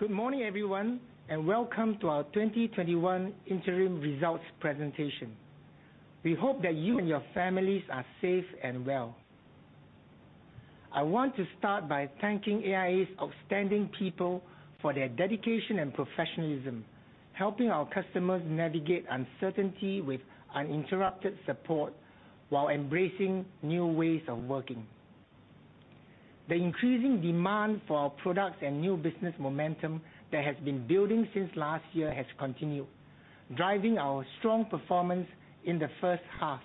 Good morning, everyone, and welcome to our 2021 Interim Results presentation. We hope that you and your families are safe and well. I want to start by thanking AIA's outstanding people for their dedication and professionalism, helping our customers navigate uncertainty with uninterrupted support while embracing new ways of working. The increasing demand for our products and new business momentum that has been building since last year has continued, driving our strong performance in the first half.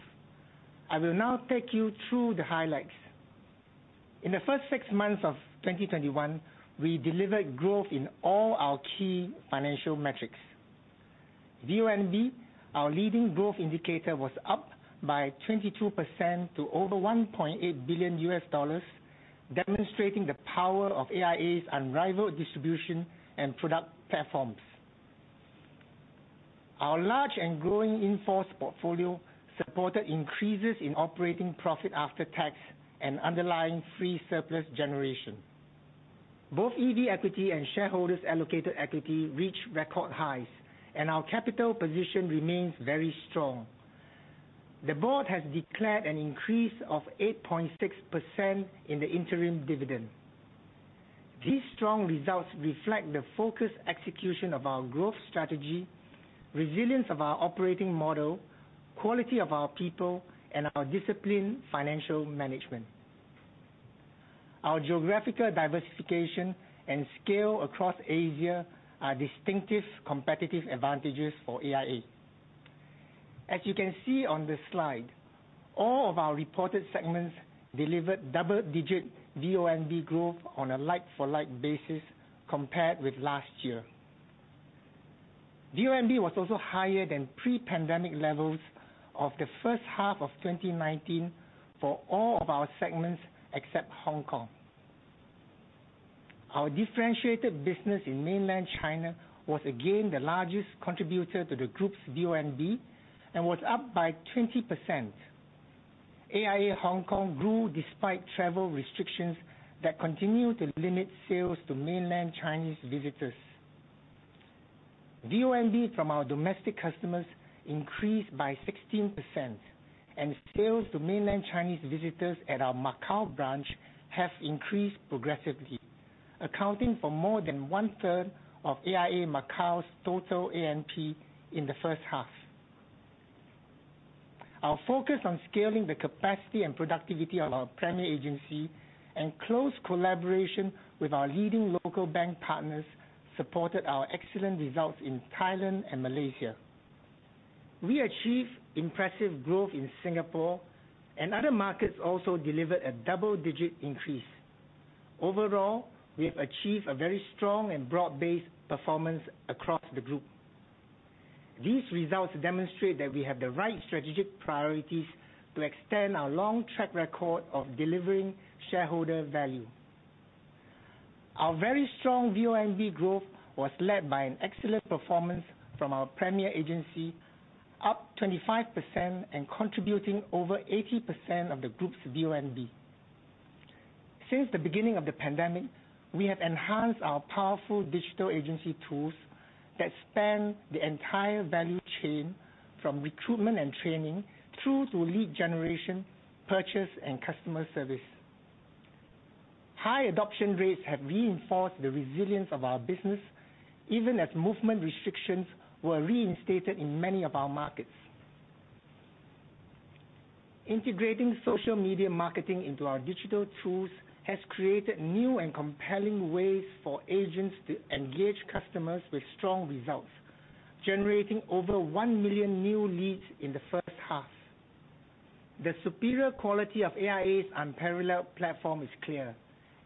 I will now take you through the highlights. In the first six months of 2021, we delivered growth in all our key financial metrics. VONB, our leading growth indicator, was up by 22% to over $1.8 billion, demonstrating the power of AIA's unrivaled distribution and product platforms. Our large and growing in-force portfolio supported increases in operating profit after tax and underlying free surplus generation. Both EV equity and shareholders' allocated equity reached record highs. Our capital position remains very strong. The board has declared an increase of 8.6% in the interim dividend. These strong results reflect the focused execution of our growth strategy, resilience of our operating model, quality of our people, and our disciplined financial management. Our geographical diversification and scale across Asia are distinctive competitive advantages for AIA. As you can see on the slide, all of our reported segments delivered double-digit VONB growth on a like-for-like basis compared with last year. VONB was also higher than pre-pandemic levels of the first half of 2019 for all of our segments except Hong Kong. Our differentiated business in mainland China was again the largest contributor to the group's VONB and was up by 20%. AIA Hong Kong grew despite travel restrictions that continue to limit sales to mainland Chinese visitors. VONB from our domestic customers increased by 16%, and sales to mainland Chinese visitors at our Macau branch have increased progressively, accounting for more than 1/3 of AIA Macau's total ANP in the first half. Our focus on scaling the capacity and productivity of our premier agency and close collaboration with our leading local bank partners supported our excellent results in Thailand and Malaysia. We achieved impressive growth in Singapore, and other markets also delivered a double-digit increase. Overall, we have achieved a very strong and broad-based performance across the group. These results demonstrate that we have the right strategic priorities to extend our long track record of delivering shareholder value. Our very strong VONB growth was led by an excellent performance from our premier agency, up 25% and contributing over 80% of the group's VONB. Since the beginning of the pandemic, we have enhanced our powerful digital agency tools that span the entire value chain from recruitment and training through to lead generation, purchase, and customer service. High adoption rates have reinforced the resilience of our business, even as movement restrictions were reinstated in many of our markets. Integrating social media marketing into our digital tools has created new and compelling ways for agents to engage customers with strong results, generating over one million new leads in the first half. The superior quality of AIA's unparalleled platform is clear.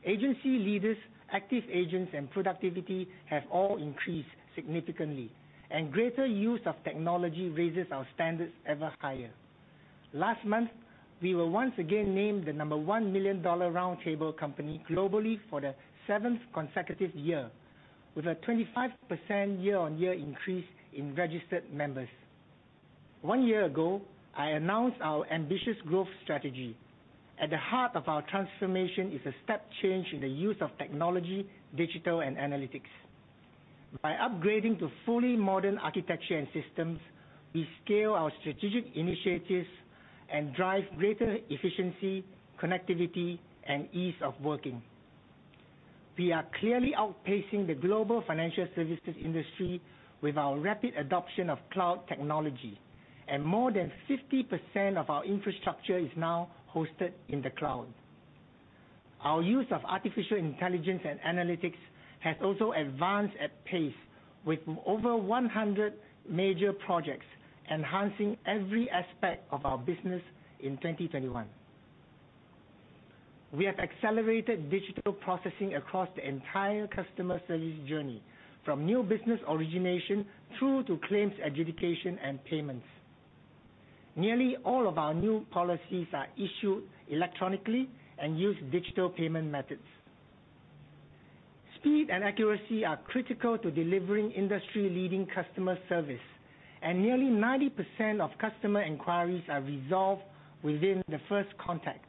Agency leaders, active agents, and productivity have all increased significantly, and greater use of technology raises our standards ever higher. Last month, we were once again named the number one Million Dollar Round Table company globally for the seventh consecutive year, with a 25% year-on-year increase in registered members. One year ago, I announced our ambitious growth strategy. At the heart of our transformation is a step change in the use of technology, digital, and analytics. By upgrading to fully modern architecture and systems, we scale our strategic initiatives and drive greater efficiency, connectivity, and ease of working. We are clearly outpacing the global financial services industry with our rapid adoption of cloud technology, and more than 50% of our infrastructure is now hosted in the cloud. Our use of artificial intelligence and analytics has also advanced at pace, with over 100 major projects enhancing every aspect of our business in 2021. We have accelerated digital processing across the entire customer service journey, from new business origination through to claims adjudication and payments. Nearly all of our new policies are issued electronically and use digital payment methods. Speed and accuracy are critical to delivering industry-leading customer service, and nearly 90% of customer inquiries are resolved within the first contact.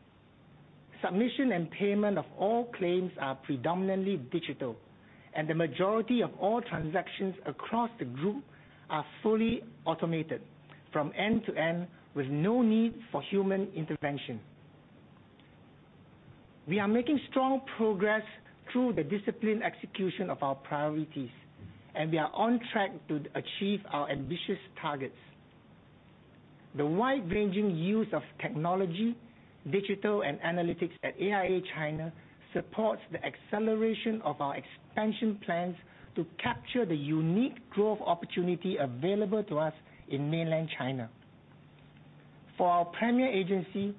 Submission and payment of all claims are predominantly digital, and the majority of all transactions across the group are fully automated from end to end with no need for human intervention. We are making strong progress through the disciplined execution of our priorities, and we are on track to achieve our ambitious targets. The wide-ranging use of technology, digital and analytics at AIA China supports the acceleration of our expansion plans to capture the unique growth opportunity available to us in mainland China. For our premier agency,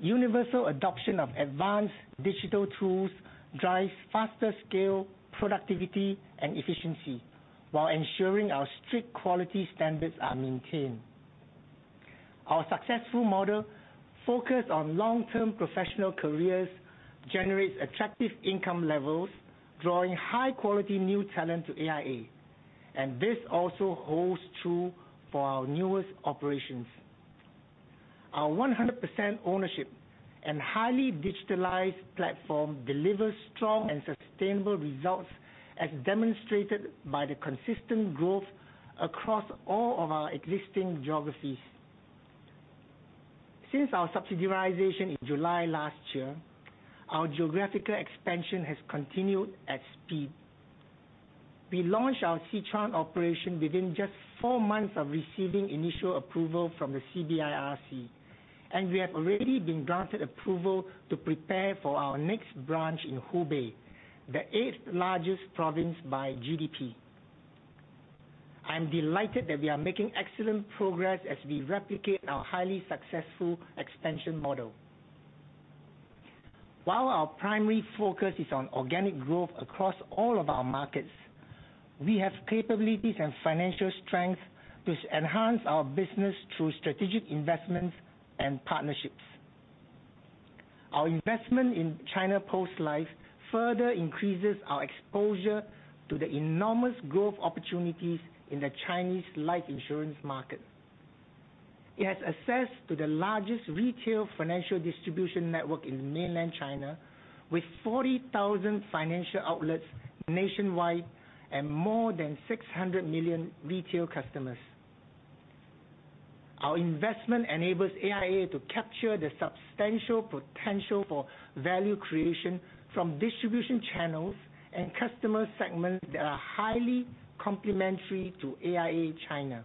universal adoption of advanced digital tools drives faster scale, productivity, and efficiency while ensuring our strict quality standards are maintained. Our successful model focus on long-term professional careers, generates attractive income levels, drawing high quality new talent to AIA, and this also holds true for our newest operations. Our 100% ownership and highly digitalized platform delivers strong and sustainable results as demonstrated by the consistent growth across all of our existing geographies. Since our subsidiarization in July last year, our geographical expansion has continued at speed. We launched our Sichuan operation within just four months of receiving initial approval from the CBIRC, and we have already been granted approval to prepare for our next branch in Hubei, the eighth largest province by GDP. I'm delighted that we are making excellent progress as we replicate our highly successful expansion model. While our primary focus is on organic growth across all of our markets, we have capabilities and financial strength to enhance our business through strategic investments and partnerships. Our investment in China Post Life further increases our exposure to the enormous growth opportunities in the Chinese life insurance market. It has access to the largest retail financial distribution network in mainland China with 40,000 financial outlets nationwide and more than 600 million retail customers. Our investment enables AIA to capture the substantial potential for value creation from distribution channels and customer segments that are highly complementary to AIA China.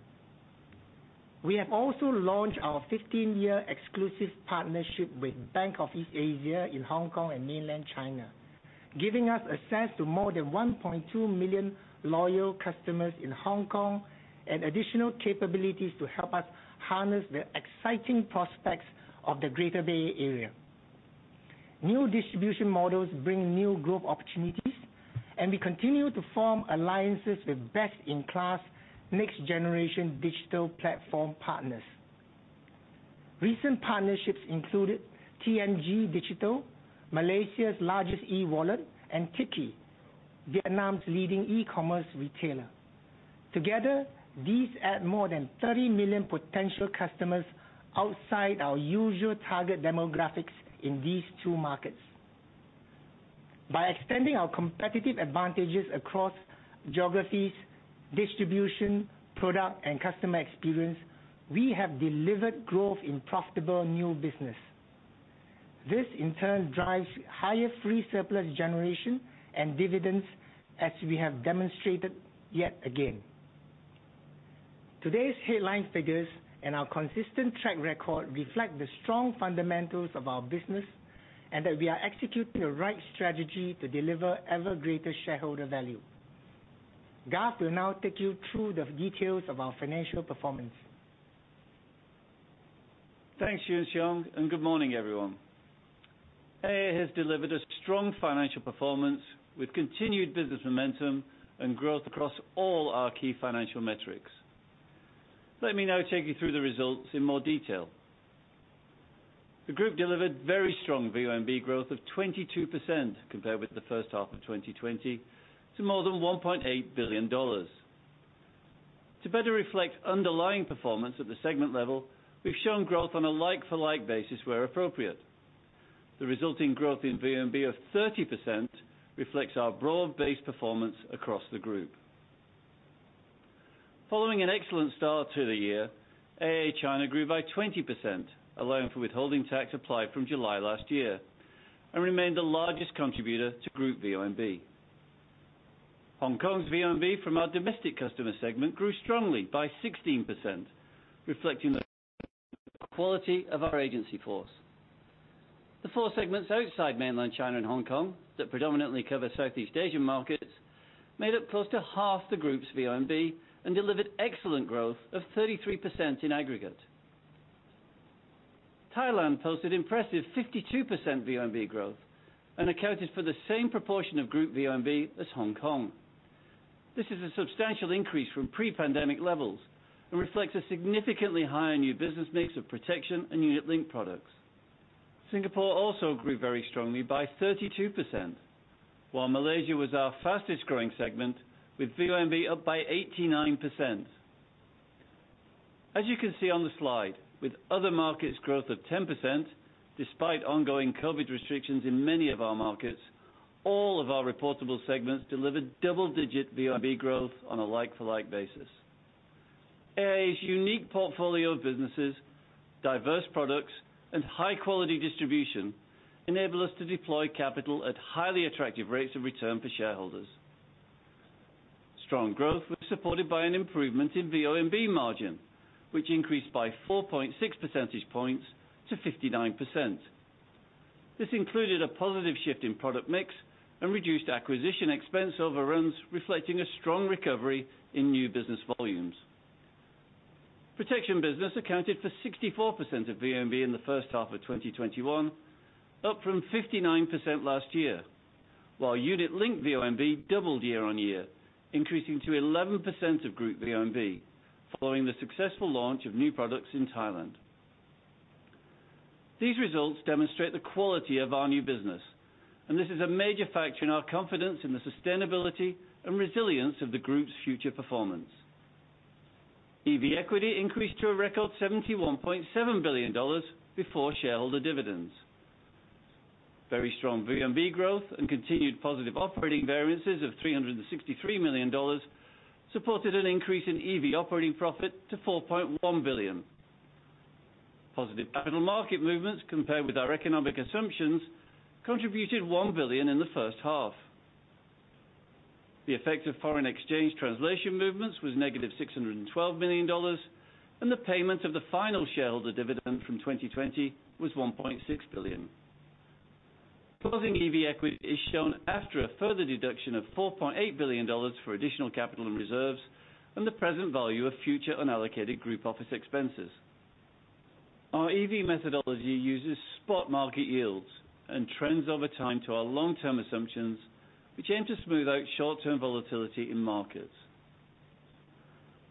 We have also launched our 15-year exclusive partnership with Bank of East Asia in Hong Kong and mainland China, giving us access to more than 1.2 million loyal customers in Hong Kong, and additional capabilities to help us harness the exciting prospects of the Greater Bay Area. We continue to form alliances with best in class next generation digital platform partners. Recent partnerships included TNG Digital, Malaysia's largest E-Wallet, and Tiki, Vietnam's leading E-Commerce retailer. Together, these add more than 30 million potential customers outside our usual target demographics in these two markets. By extending our competitive advantages across geographies, distribution, product, and customer experience, we have delivered growth in profitable new business. This in turn drives higher free surplus generation and dividends as we have demonstrated yet again. Today's headline figures and our consistent track record reflect the strong fundamentals of our business, and that we are executing the right strategy to deliver ever greater shareholder value. Garth will now take you through the details of our financial performance. Thanks, Lee Yuan Siong, good morning everyone? AIA has delivered a strong financial performance with continued business momentum and growth across all our key financial metrics. Let me now take you through the results in more detail. The group delivered very strong VONB growth of 22% compared with the first half of 2020 to more than $1.8 billion. To better reflect underlying performance at the segment level, we've shown growth on a like for like basis where appropriate. The resulting growth in VONB of 30% reflects our broad-based performance across the group. Following an excellent start to the year, AIA China grew by 20%, allowing for withholding tax applied from July last year, and remained the largest contributor to group VONB. Hong Kong's VONB from our domestic customer segment grew strongly by 16%, reflecting the quality of our agency force. The four segments outside mainland China and Hong Kong that predominantly cover Southeast Asia markets made up close to half the group's VONB and delivered excellent growth of 33% in aggregate. Thailand posted impressive 52% VONB growth and accounted for the same proportion of group VONB as Hong Kong. This is a substantial increase from pre-pandemic levels and reflects a significantly higher new business mix of protection and unit-linked products. Singapore also grew very strongly by 32%, while Malaysia was our fastest growing segment with VONB up by 89%. As you can see on the slide, with other markets growth of 10%, despite ongoing COVID-19 restrictions in many of our markets, all of our reportable segments delivered double-digit VONB growth on a like-for-like basis. AIA's unique portfolio of businesses, diverse products, and high-quality distribution enable us to deploy capital at highly attractive rates of return for shareholders. Strong growth was supported by an improvement in VONB margin, which increased by 4.6 percentage points to 59%. This included a positive shift in product mix and reduced acquisition expense overruns, reflecting a strong recovery in new business volumes. Protection business accounted for 64% of VONB in the first half of 2021, up from 59% last year. Unit-linked VONB doubled year on year, increasing to 11% of group VONB, following the successful launch of new products in Thailand. These results demonstrate the quality of our new business, this is a major factor in our confidence in the sustainability and resilience of the group's future performance. EV equity increased to a record $71.7 billion before shareholder dividends. Very strong VONB growth and continued positive operating variances of $363 million supported an increase in EV operating profit to $4.1 billion. Positive capital market movements compared with our economic assumptions contributed $1 billion in the first half. The effect of foreign exchange translation movements was negative $612 million, and the payment of the final shareholder dividend from 2020 was $1.6 billion. Closing EV equity is shown after a further deduction of $4.8 billion for additional capital and reserves and the present value of future unallocated group office expenses. Our EV methodology uses spot market yields and trends over time to our long-term assumptions, which aim to smooth out short-term volatility in markets.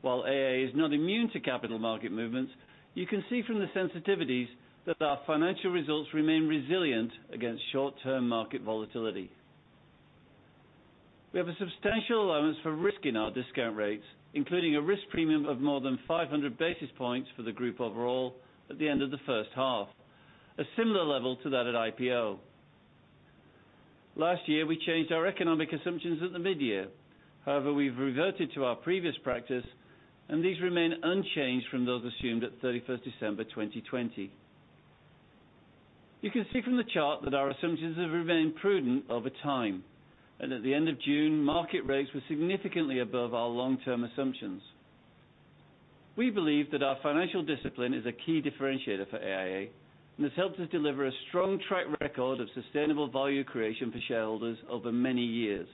While AIA is not immune to capital market movements, you can see from the sensitivities that our financial results remain resilient against short-term market volatility. We have a substantial allowance for risk in our discount rates, including a risk premium of more than 500 basis points for the group overall at the end of the first half, a similar level to that at IPO. Last year, we changed our economic assumptions at the mid-year. We've reverted to our previous practice, and these remain unchanged from those assumed at December 31, 2020. You can see from the chart that our assumptions have remained prudent over time, and at the end of June, market rates were significantly above our long-term assumptions. We believe that our financial discipline is a key differentiator for AIA and has helped us deliver a strong track record of sustainable value creation for shareholders over many years.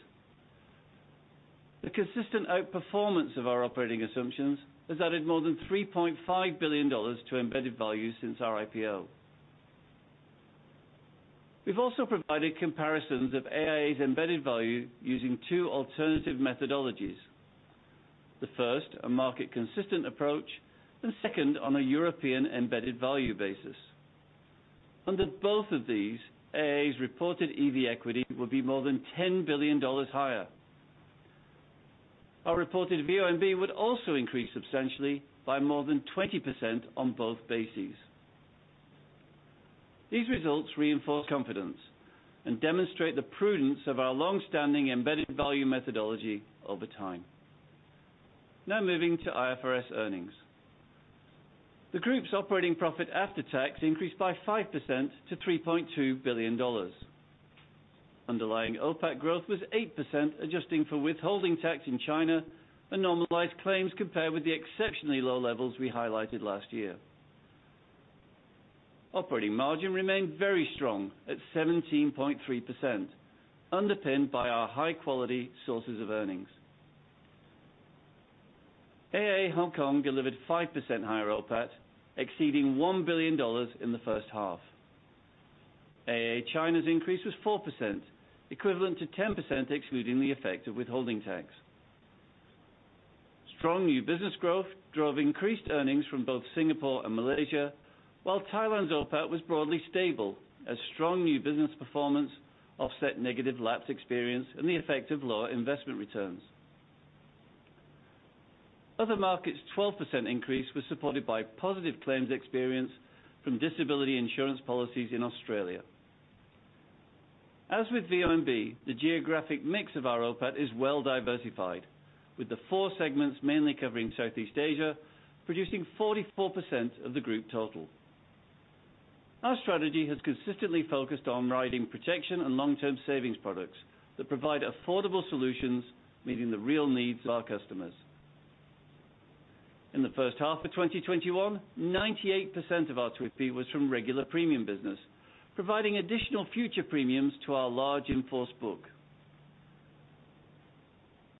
The consistent outperformance of our operating assumptions has added more than $3.5 billion to embedded values since our IPO. We've also provided comparisons of AIA's embedded value using two alternative methodologies. The first, a market consistent approach, and second on a European embedded value basis. Under both of these, AIA's reported EV equity would be more than $10 billion higher. Our reported VONB would also increase substantially by more than 20% on both bases. These results reinforce confidence and demonstrate the prudence of our long-standing embedded value methodology over time. Moving to IFRS earnings. The Group's operating profit after tax increased by 5% to $3.2 billion. Underlying OPAT growth was 8%, adjusting for withholding tax in China, and normalized claims compared with the exceptionally low levels we highlighted last year. Operating margin remained very strong at 17.3%, underpinned by our high-quality sources of earnings. AIA Hong Kong delivered 5% higher OPAT, exceeding $1 billion in the first half. AIA China's increase was 4%, equivalent to 10% excluding the effect of withholding tax. Strong new business growth drove increased earnings from both Singapore and Malaysia, while Thailand's OPAT was broadly stable as strong new business performance offset negative lapse experience and the effect of lower investment returns. Other markets, 12% increase was supported by positive claims experience from disability insurance policies in Australia. As with VONB, the geographic mix of our OPAT is well diversified, with the four segments mainly covering Southeast Asia producing 44% of the group total. Our strategy has consistently focused on providing protection and long-term savings products that provide affordable solutions, meeting the real needs of our customers. In the first half of 2021, 98% of our TWPI was from regular premium business, providing additional future premiums to our large in-force book.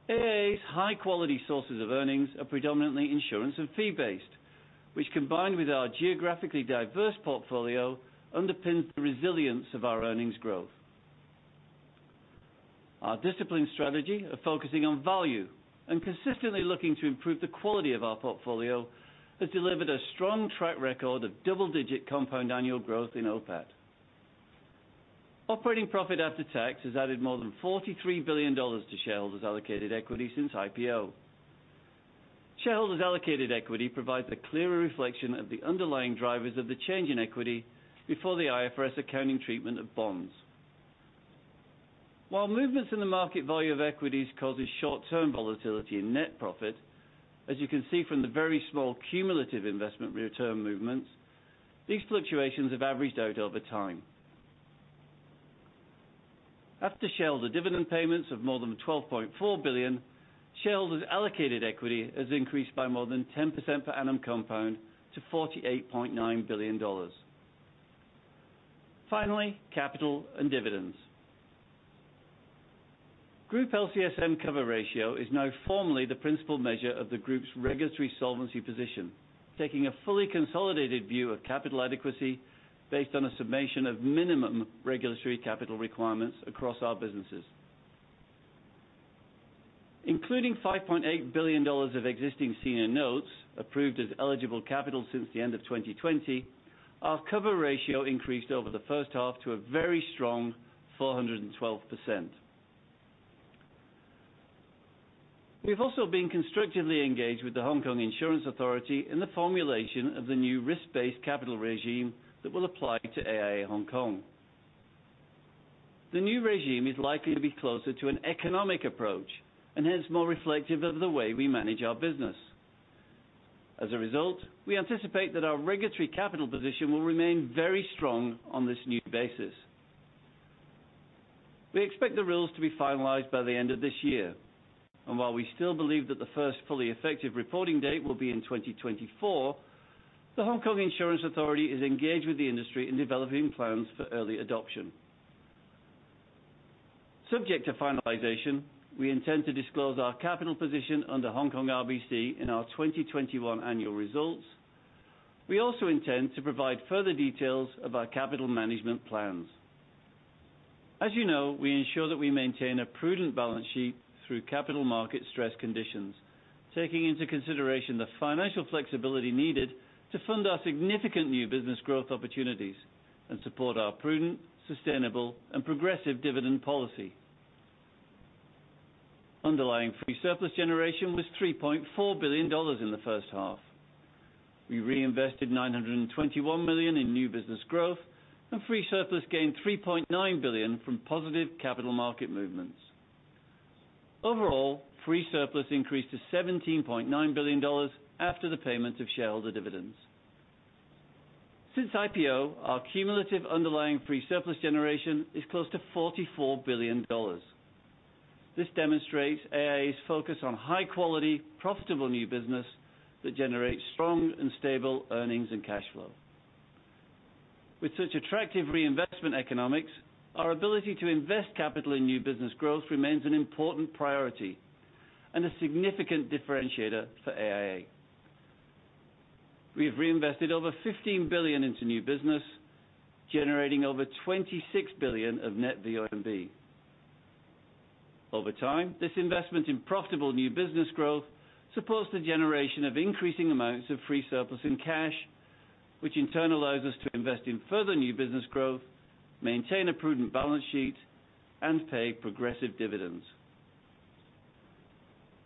AIA's high-quality sources of earnings are predominantly insurance and fee based, which combined with our geographically diverse portfolio, underpins the resilience of our earnings growth. Our disciplined strategy of focusing on value and consistently looking to improve the quality of our portfolio has delivered a strong track record of double-digit compound annual growth in OPAT. Operating profit after tax has added more than $43 billion to shareholders' allocated equity since IPO. Shareholders' allocated equity provides a clearer reflection of the underlying drivers of the change in equity before the IFRS accounting treatment of bonds. While movements in the market value of equities causes short-term volatility in net profit, as you can see from the very small cumulative investment return movements, these fluctuations have averaged out over time. After shareholder dividend payments of more than $12.4 billion, shareholders' allocated equity has increased by more than 10% per annum compound to $48.9 billion. Finally, capital and dividends. Group LCSM cover ratio is now formally the principal measure of the group's regulatory solvency position, taking a fully consolidated view of capital adequacy based on a summation of minimum regulatory capital requirements across our businesses. Including $5.8 billion of existing senior notes approved as eligible capital since the end of 2020, our cover ratio increased over the first half to a very strong 412%. We have also been constructively engaged with the Insurance Authority in the formulation of the new risk-based capital regime that will apply to AIA Hong Kong. The new regime is likely to be closer to an economic approach, and hence more reflective of the way we manage our business. As a result, we anticipate that our regulatory capital position will remain very strong on this new basis. We expect the rules to be finalized by the end of this year. While we still believe that the first fully effective reporting date will be in 2024, the Hong Kong Insurance Authority is engaged with the industry in developing plans for early adoption. Subject to finalization, we intend to disclose our capital position under Hong Kong RBC in our 2021 annual results. We also intend to provide further details of our capital management plans. As you know, we ensure that we maintain a prudent balance sheet through capital market stress conditions, taking into consideration the financial flexibility needed to fund our significant new business growth opportunities and support our prudent, sustainable, and progressive dividend policy. Underlying free surplus generation was $3.4 billion in the first half. We reinvested $921 million in new business growth, and free surplus gained $3.9 billion from positive capital market movements. Overall, free surplus increased to $17.9 billion after the payment of shareholder dividends. Since IPO, our cumulative underlying free surplus generation is close to $44 billion. This demonstrates AIA's focus on high-quality, profitable new business that generates strong and stable earnings and cash flow. With such attractive reinvestment economics, our ability to invest capital in new business growth remains an important priority and a significant differentiator for AIA. We have reinvested over $15 billion into new business, generating over $26 billion of net VONB. Over time, this investment in profitable new business growth supports the generation of increasing amounts of free surplus in cash, which in turn allows us to invest in further new business growth, maintain a prudent balance sheet, and pay progressive dividends.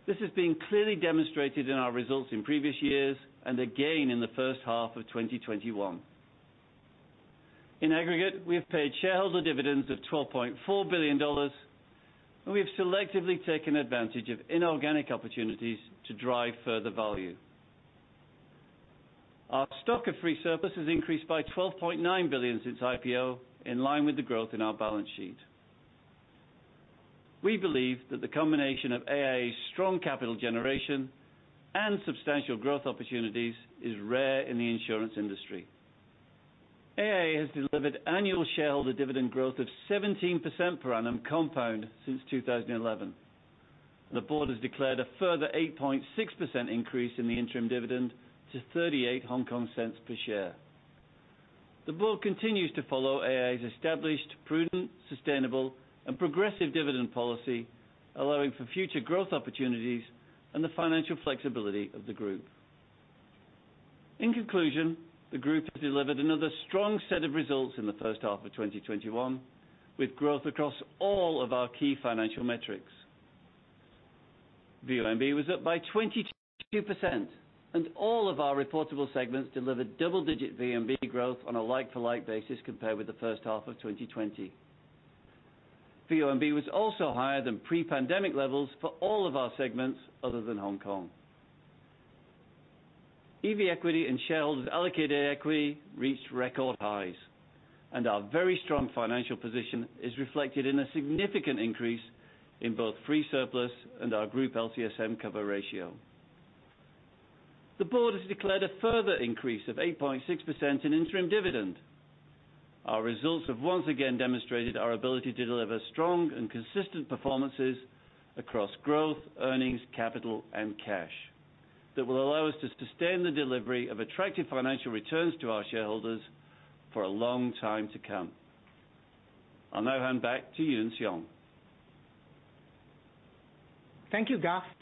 This has been clearly demonstrated in our results in previous years and again in the first half of 2021. In aggregate, we have paid shareholder dividends of $12.4 billion, and we have selectively taken advantage of inorganic opportunities to drive further value. Our stock of free surplus has increased by $12.9 billion since IPO, in line with the growth in our balance sheet. We believe that the combination of AIA's strong capital generation and substantial growth opportunities is rare in the insurance industry. AIA has delivered annual shareholder dividend growth of 17% per annum compound since 2011. The board has declared a further 8.6% increase in the interim dividend to 0.38 per share. The board continues to follow AIA's established, prudent, sustainable, and progressive dividend policy, allowing for future growth opportunities and the financial flexibility of the group. In conclusion, the group has delivered another strong set of results in the first half of 2021, with growth across all of our key financial metrics. VOMV was up by 22%, and all of our reportable segments delivered double-digit VONB growth on a like-for-like basis compared with the first half of 2020. VONB was also higher than pre-pandemic levels for all of our segments other than Hong Kong. EV Equity and shareholders' allocated equity reached record highs, and our very strong financial position is reflected in a significant increase in both free surplus and our group LCSM cover ratio. The board has declared a further increase of 8.6% in interim dividend. Our results have once again demonstrated our ability to deliver strong and consistent performances across growth, earnings, capital, and cash that will allow us to sustain the delivery of attractive financial returns to our shareholders for a long time to come. I'll now hand back to Lee Yuan Siong. Thank you, Garth Jones.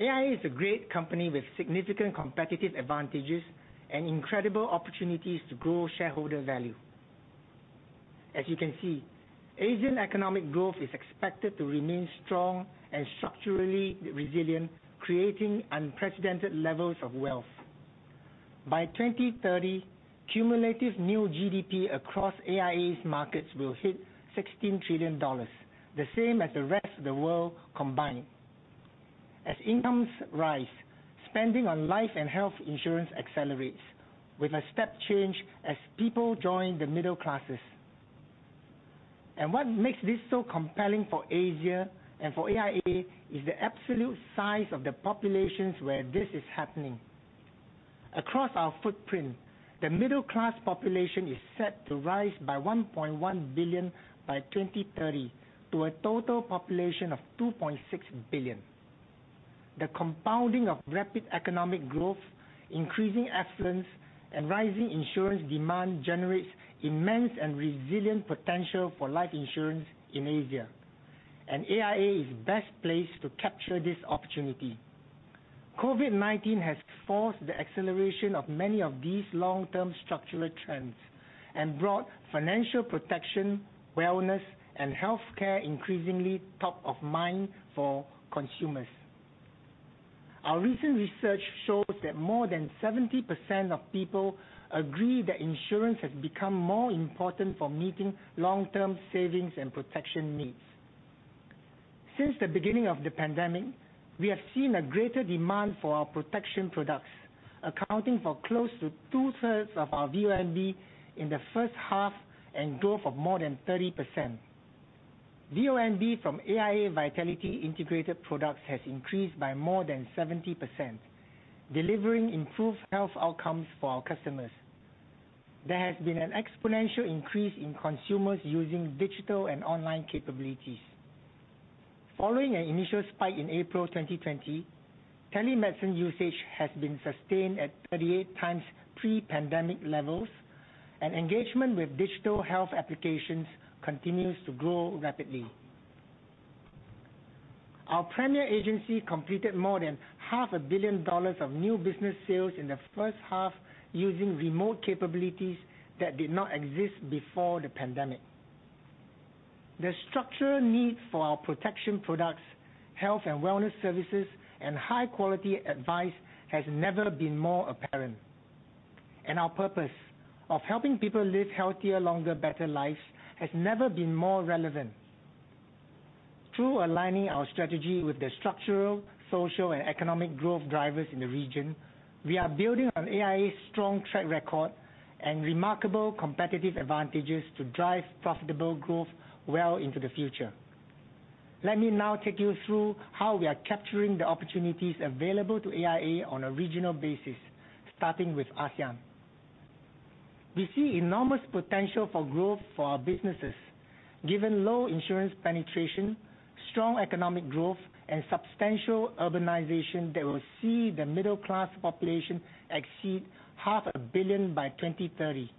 AIA is a great company with significant competitive advantages and incredible opportunities to grow shareholder value. As you can see, Asian economic growth is expected to remain strong and structurally resilient, creating unprecedented levels of wealth. By 2030, cumulative new GDP across AIA's markets will hit $16 trillion, the same as the rest of the world combined. As incomes rise, spending on life and health insurance accelerates with a step change as people join the middle classes. What makes this so compelling for Asia and for AIA is the absolute size of the populations where this is happening. Across our footprint, the middle class population is set to rise by 1.1 billion by 2030 to a total population of 2.6 billion. The compounding of rapid economic growth, increasing affluence, and rising insurance demand generates immense and resilient potential for life insurance in Asia, and AIA is best placed to capture this opportunity. COVID-19 has forced the acceleration of many of these long-term structural trends and brought financial protection, wellness, and healthcare increasingly top of mind for consumers. Our recent research shows that more than 70% of people agree that insurance has become more important for meeting long-term savings and protection needs. Since the beginning of the pandemic, we have seen a greater demand for our protection products, accounting for close to two-thirds of our VONB in the first half and growth of more than 30%. VONB from AIA Vitality integrated products has increased by more than 70%, delivering improved health outcomes for our customers. There has been an exponential increase in consumers using digital and online capabilities. Following an initial spike in April 2020, telemedicine usage has been sustained at 38x pre-pandemic levels, and engagement with digital health applications continues to grow rapidly. Our premier agency completed more than half a billion dollars of new business sales in the first half using remote capabilities that did not exist before the pandemic. The structural need for our protection products, health and wellness services, and high-quality advice has never been more apparent. Our purpose of helping people live healthier, longer, better lives has never been more relevant. Through aligning our strategy with the structural, social, and economic growth drivers in the region, we are building on AIA's strong track record and remarkable competitive advantages to drive profitable growth well into the future. Let me now take you through how we are capturing the opportunities available to AIA on a regional basis, starting with ASEAN. We see enormous potential for growth for our businesses, given low insurance penetration, strong economic growth, and substantial urbanization that will see the middle class population exceed half a billion by 2030.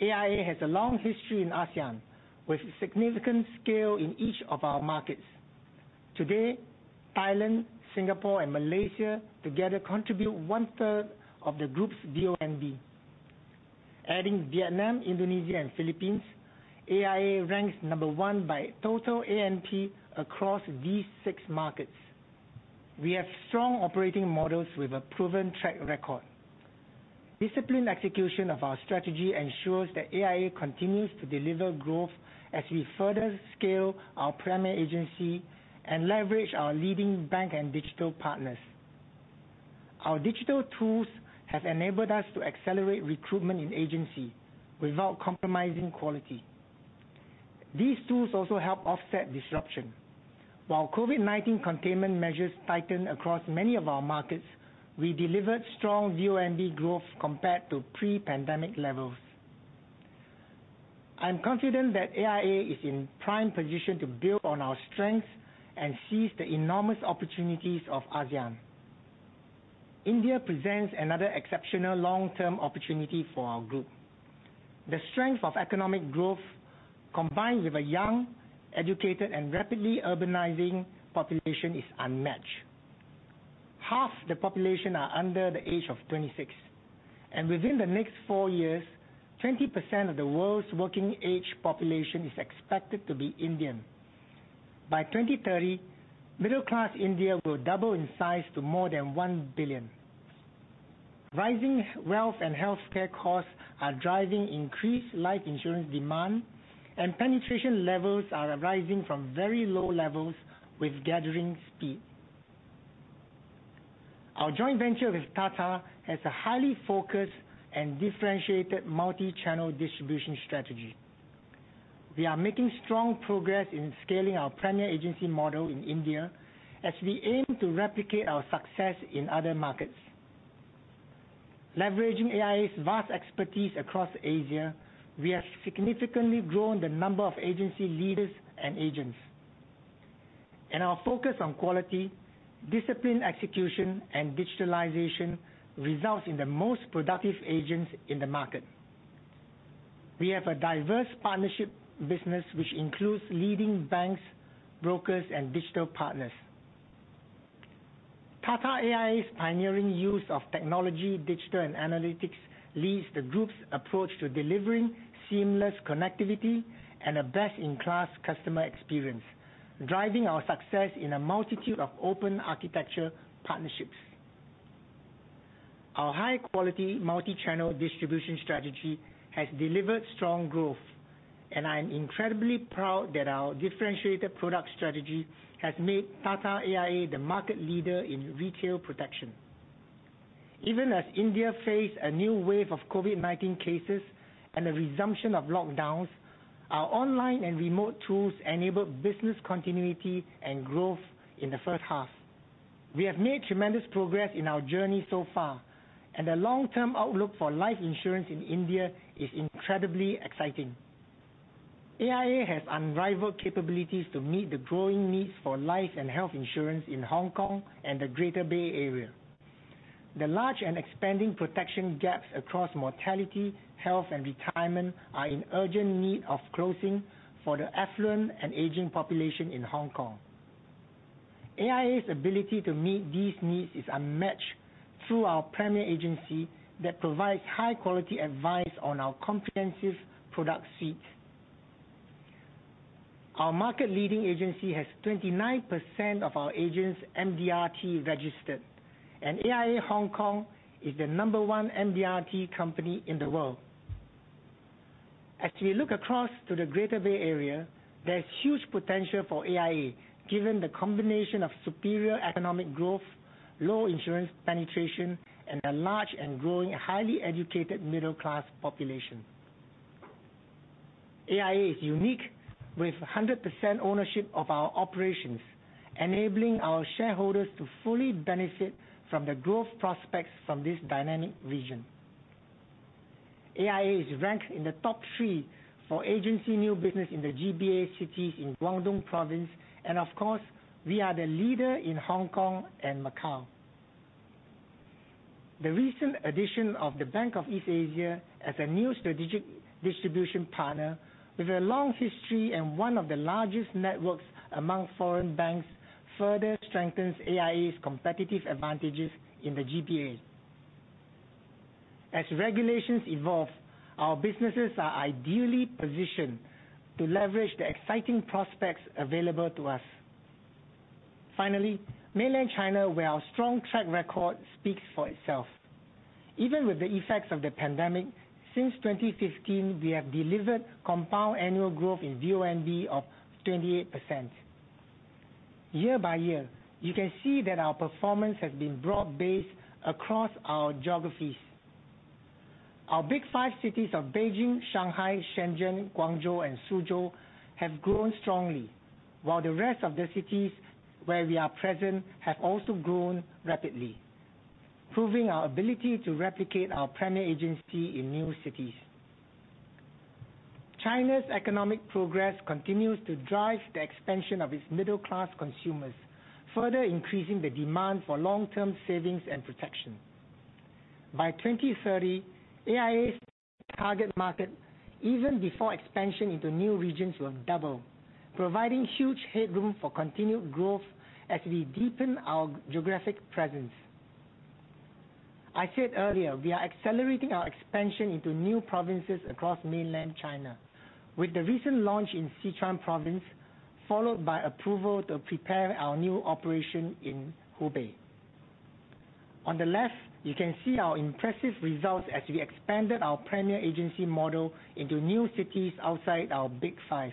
AIA has a long history in ASEAN, with significant scale in each of our markets. Today, Thailand, Singapore, and Malaysia together contribute 1/3 of the group's VONB. Adding Vietnam, Indonesia, and Philippines, AIA ranks number 1 by total ANP across these six markets. We have strong operating models with a proven track record. Disciplined execution of our strategy ensures that AIA continues to deliver growth as we further scale our premier agency and leverage our leading bank and digital partners. Our digital tools have enabled us to accelerate recruitment in agency without compromising quality. These tools also help offset disruption. While COVID-19 containment measures tightened across many of our markets, we delivered strong VONB growth compared to pre-pandemic levels. I'm confident that AIA is in prime position to build on our strengths and seize the enormous opportunities of ASEAN. India presents another exceptional long-term opportunity for our group. The strength of economic growth, combined with a young, educated, and rapidly urbanizing population, is unmatched. Half the population are under the age of 26, and within the next four years, 20% of the world's working age population is expected to be Indian. By 2030, middle class India will double in size to more than one billion. Rising wealth and healthcare costs are driving increased life insurance demand, and penetration levels are rising from very low levels with gathering speed. Our joint venture with Tata has a highly focused and differentiated multi-channel distribution strategy. We are making strong progress in scaling our premier agency model in India as we aim to replicate our success in other markets. Leveraging AIA's vast expertise across Asia, we have significantly grown the number of agency leaders and agents. Our focus on quality, disciplined execution, and digitalization results in the most productive agents in the market. We have a diverse partnership business which includes leading banks, brokers, and digital partners. Tata AIA's pioneering use of technology, digital, and analytics leads the group's approach to delivering seamless connectivity and a best-in-class customer experience, driving our success in a multitude of open architecture partnerships. Our high-quality multi-channel distribution strategy has delivered strong growth, and I'm incredibly proud that our differentiated product strategy has made Tata AIA the market leader in retail protection. Even as India faced a new wave of COVID-19 cases and a resumption of lockdowns, our online and remote tools enabled business continuity and growth in the first half. We have made tremendous progress in our journey so far, and the long-term outlook for life insurance in India is incredibly exciting. AIA has unrivaled capabilities to meet the growing needs for life and health insurance in Hong Kong and the Greater Bay Area. The large and expanding protection gaps across mortality, health, and retirement are in urgent need of closing for the affluent and aging population in Hong Kong. AIA's ability to meet these needs is unmatched through our premier agency that provides high-quality advice on our comprehensive product suite. Our market-leading agency has 29% of our agents MDRT registered, and AIA Hong Kong is the number one MDRT company in the world. As we look across to the Greater Bay Area, there's huge potential for AIA, given the combination of superior economic growth, low insurance penetration, and a large and growing highly educated middle-class population. AIA is unique with 100% ownership of our operations, enabling our shareholders to fully benefit from the growth prospects from this dynamic region. AIA is ranked in the top three for agency new business in the GBA cities in Guangdong Province, and of course, we are the leader in Hong Kong and Macau. The recent addition of The Bank of East Asia as a new strategic distribution partner with a long history and one of the largest networks among foreign banks further strengthens AIA's competitive advantages in the GBA. As regulations evolve, our businesses are ideally positioned to leverage the exciting prospects available to us. Finally, Mainland China, where our strong track record speaks for itself. Even with the effects of the pandemic, since 2015, we have delivered compound annual growth in VONB of 28%. Year by year, you can see that our performance has been broad-based across our geographies. Our big five cities of Beijing, Shanghai, Shenzhen, Guangzhou, and Suzhou have grown strongly. The rest of the cities where we are present have also grown rapidly, proving our ability to replicate our premier agency in new cities. China's economic progress continues to drive the expansion of its middle-class consumers, further increasing the demand for long-term savings and protection. By 2030, AIA's target market, even before expansion into new regions, will have doubled, providing huge headroom for continued growth as we deepen our geographic presence. I said earlier, we are accelerating our expansion into new provinces across mainland China. With the recent launch in Sichuan province, followed by approval to prepare our new operation in Hubei. On the left, you can see our impressive results as we expanded our premier agency model into new cities outside our big five.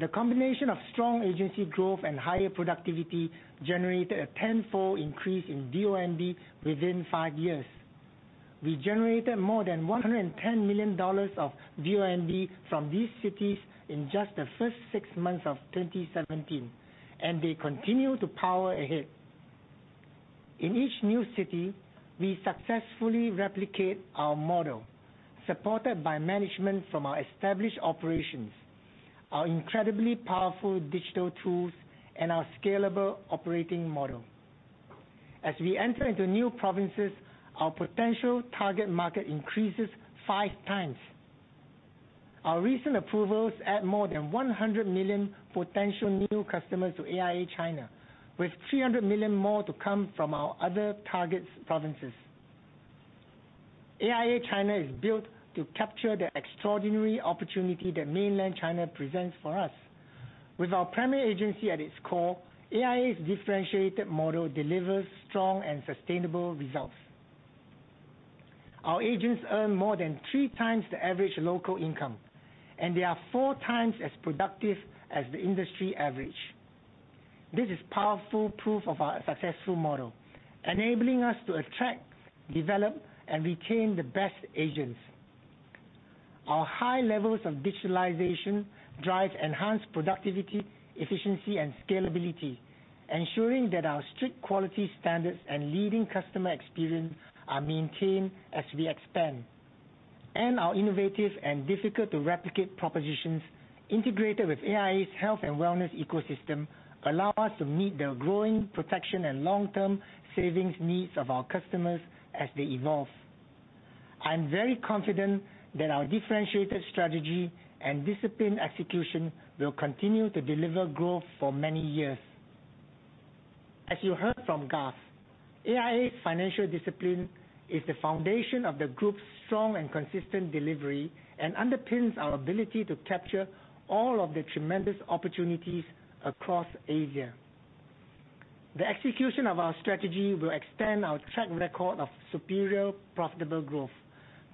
The combination of strong agency growth and higher productivity generated a 10-fold increase in VONB within five years. We generated more than $110 million of VONB from these cities in just the first six months of 2017, and they continue to power ahead. In each new city, we successfully replicate our model, supported by management from our established operations, our incredibly powerful digital tools, and our scalable operating model. As we enter into new provinces, our potential target market increases 5x. Our recent approvals add more than 100 million potential new customers to AIA China, with 300 million more to come from our other target provinces. AIA China is built to capture the extraordinary opportunity that mainland China presents for us. With our premier agency at its core, AIA's differentiated model delivers strong and sustainable results. Our agents earn more than three times the average local income, and they are 4x as productive as the industry average. This is powerful proof of our successful model, enabling us to attract, develop, and retain the best agents. Our high levels of digitalization drive enhanced productivity, efficiency, and scalability, ensuring that our strict quality standards and leading customer experience are maintained as we expand. Our innovative and difficult-to-replicate propositions integrated with AIA's health and wellness ecosystem allow us to meet the growing protection and long-term savings needs of our customers as they evolve. I'm very confident that our differentiated strategy and disciplined execution will continue to deliver growth for many years. As you heard from Garth, AIA's financial discipline is the foundation of the group's strong and consistent delivery and underpins our ability to capture all of the tremendous opportunities across Asia. The execution of our strategy will extend our track record of superior profitable growth,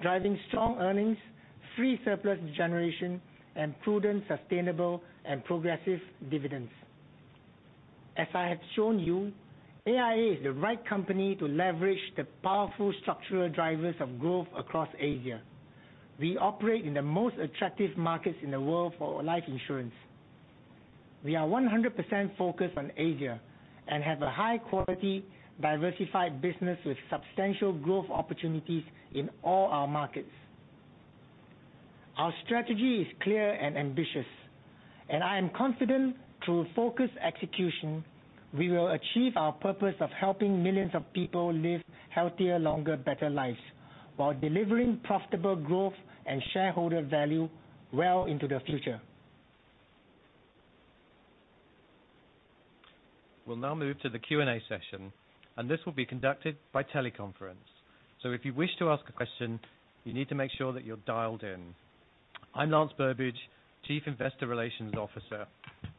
driving strong earnings, free surplus generation, and prudent, sustainable, and progressive dividends. As I have shown you, AIA is the right company to leverage the powerful structural drivers of growth across Asia. We operate in the most attractive markets in the world for life insurance. We are 100% focused on Asia and have a high-quality, diversified business with substantial growth opportunities in all our markets. Our strategy is clear and ambitious, and I am confident through focused execution, we will achieve our purpose of helping millions of people live healthier, longer, better lives while delivering profitable growth and shareholder value well into the future. We'll now move to the Q&A session, and this will be conducted by teleconference. If you wish to ask a question, you need to make sure that you're dialed in. I'm Lance Burbidge, Chief Investor Relations Officer.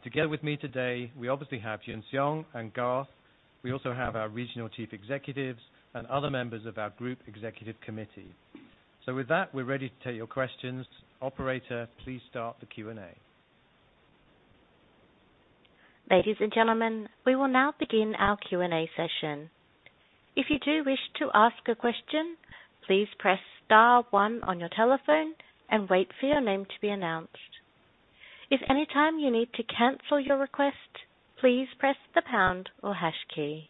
Together with me today, we obviously have Lee Yuan Siong and Garth Jones. We also have our Regional Chief Executives and other members of our Group Executive Committee. With that, we're ready to take your questions. Operator, please start the Q&A. Ladies and gentlemen, we will now begin our Q&A session. If you do wish to ask a question press star one on your telephone, and wait for your line to be announced. If you wish to remove your question please the pound or hash key.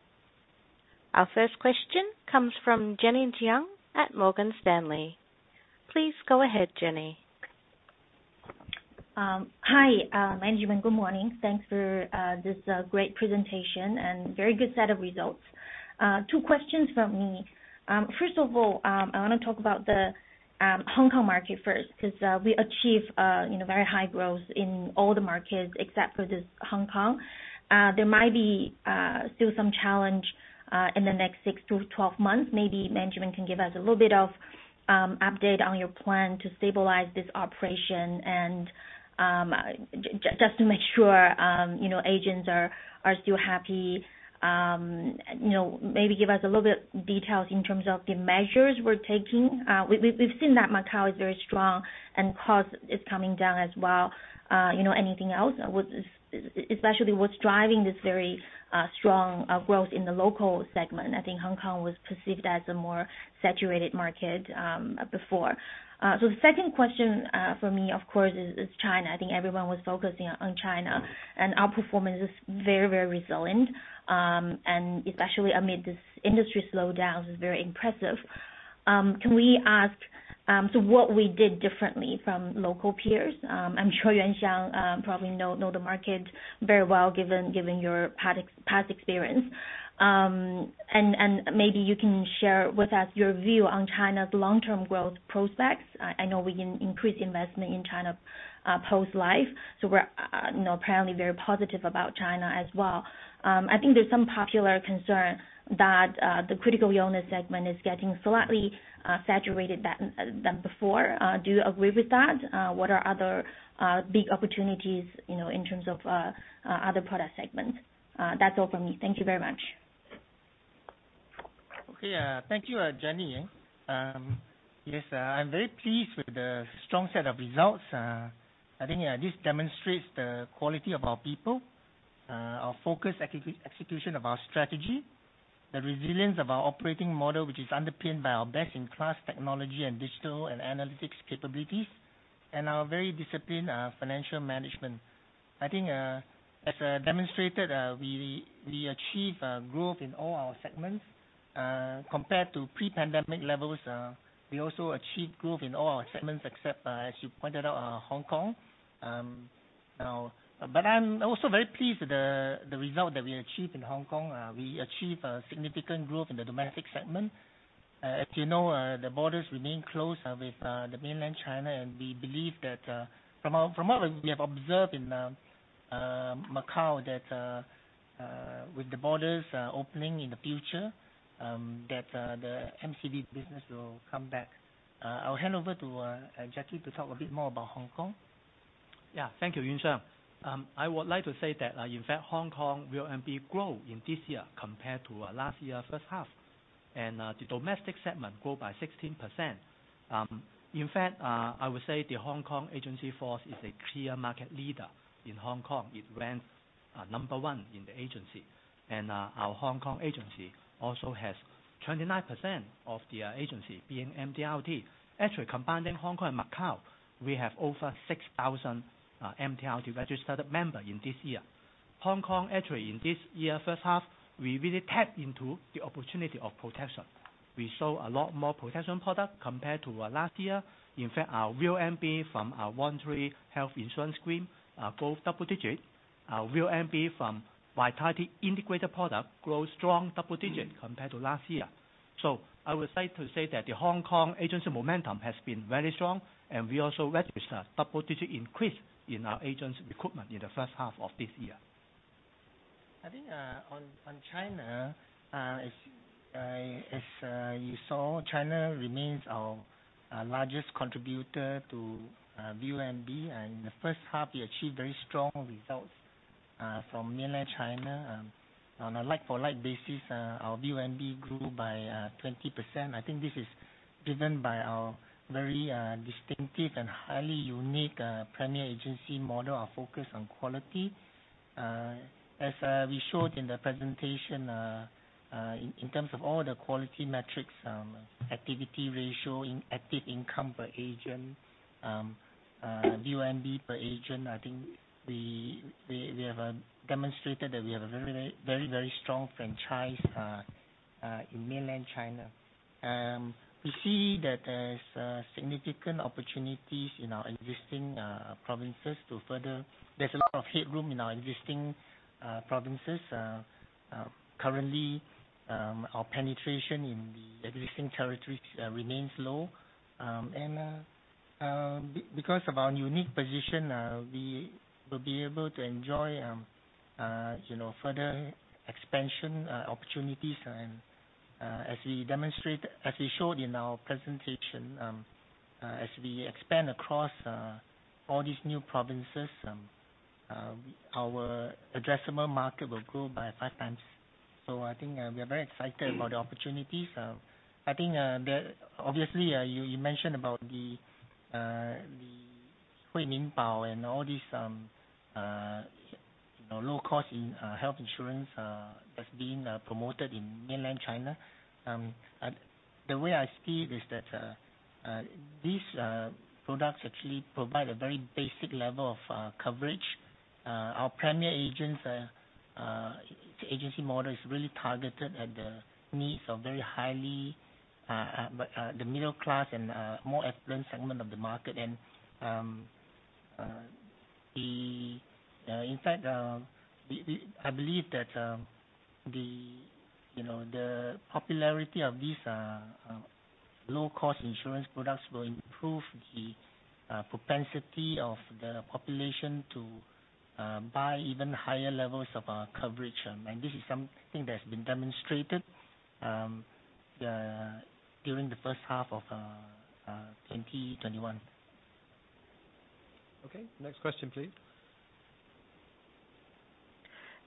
Our first question comes from Jenny Jiang at Morgan Stanley, please go ahead Jenny. Hi, Management. Good morning? Thanks for this great presentation and very good set of results. Two questions from me. First of all, I want to talk about the Hong Kong market first, because we achieve very high growth in all the markets except for this Hong Kong. There might be still some challenge in the next 6 to 12 months. Maybe management can give us a little bit of update on your plan to stabilize this operation and just to make sure agents are still happy. Maybe give us a little bit details in terms of the measures we're taking. We've seen that Macau is very strong and cost is coming down as well. Anything else? Especially what's driving this very strong growth in the local segment. I think Hong Kong was perceived as a more saturated market before. The second question for me, of course, is China. I think everyone was focusing on China, and our performance is very resilient, especially amid this industry slowdown is very impressive. Can we ask what we did differently from local peers? I'm sure, Lee Yuan Siong, probably know the market very well given your past experience. Maybe you can share with us your view on China's long-term growth prospects. I know we can increase investment in China Post Life. We're apparently very positive about China as well. I think there's some popular concern that the critical illness segment is getting slightly saturated than before. Do you agree with that? What are other big opportunities in terms of other product segments? That's all from me. Thank you very much. Okay. Thank you, Jenny Jiang. Yes, I'm very pleased with the strong set of results. I think this demonstrates the quality of our people, our focused execution of our strategy, the resilience of our operating model, which is underpinned by our best-in-class technology and digital and analytics capabilities, and our very disciplined financial management. I think as demonstrated, we achieve growth in all our segments. Compared to pre-pandemic levels, we also achieved growth in all our segments except, as you pointed out, Hong Kong. I'm also very pleased with the result that we achieved in Hong Kong. We achieved significant growth in the domestic segment. As you know, the borders remain closed with the mainland China, and we believe that from what we have observed in Macau, that with the borders opening in the future, that the MCV business will come back. I'll hand over to Jacky to talk a bit more about Hong Kong. Thank you, Lee Yuan Siong. I would like to say that in fact, Hong Kong will ANP grow in this year compared to last year first half. The domestic segment grow by 16%. In fact, I would say the Hong Kong agency force is a clear market leader in Hong Kong. It ranks number one in the agency. Our Hong Kong agency also has 29% of the agency being MDRT. Actually, combining Hong Kong and Macau, we have over 6,000 MDRT registered member in this year. Hong Kong, actually, in this year first half, we really tapped into the opportunity of protection. We sold a lot more protection product compared to last year. In fact, our VONB from our Voluntary Health Insurance Scheme grow double digit. Our VONB from Vitality integrated product grow strong double-digit compared to last year. I would like to say that the Hong Kong agency momentum has been very strong, and we also registered double-digit increase in our agents' recruitment in the first half of this year. I think on China, as you saw, China remains our largest contributor to VONB. In the first half, we achieved very strong results from mainland China. On a like-for-like basis, our VONB grew by 20%. I think this is driven by our very distinctive and highly unique premier agency model. Our focus on quality. As we showed in the presentation, in terms of all the quality metrics, activity ratio in active income per agent, VONB per agent, I think we have demonstrated that we have a very strong franchise in mainland China. We see that there's significant opportunities in our existing provinces. There's a lot of headroom in our existing provinces. Currently, our penetration in the existing territories remains low. Because of our unique position, we will be able to enjoy further expansion opportunities and as we showed in our presentation, as we expand across all these new provinces, our addressable market will grow by five times. I think we are very excited about the opportunities. Obviously, you mentioned about the Huiminbao and all these low-cost health insurance that's being promoted in mainland China. The way I see it is that these products actually provide a very basic level of coverage. Our premier agency model is really targeted at the needs of the middle class and more affluent segment of the market. In fact, I believe that the popularity of these low-cost insurance products will improve the propensity of the population to buy even higher levels of our coverage. This is something that has been demonstrated during the first half of 2021. Okay, next question, please.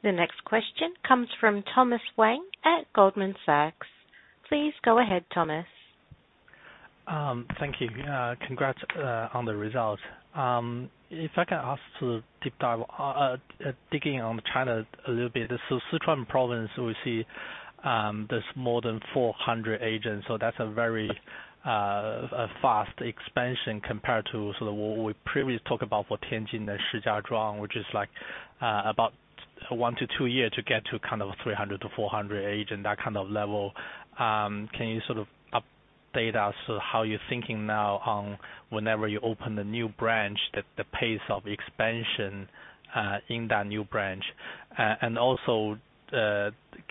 The next question comes from Thomas Wang at Goldman Sachs, please go ahead Thomas. Thank you. Congrats on the results. If I can ask to dig in on China a little bit. Sichuan Province, we see there's more than 400 agents. That's a very fast expansion compared to, we previously talk about for Tianjin and Shijiazhuang, which is about one-two years to get to 300-400 agents, that kind of level. Can you update us how you're thinking now on whenever you open the new branch, the pace of expansion in that new branch? Also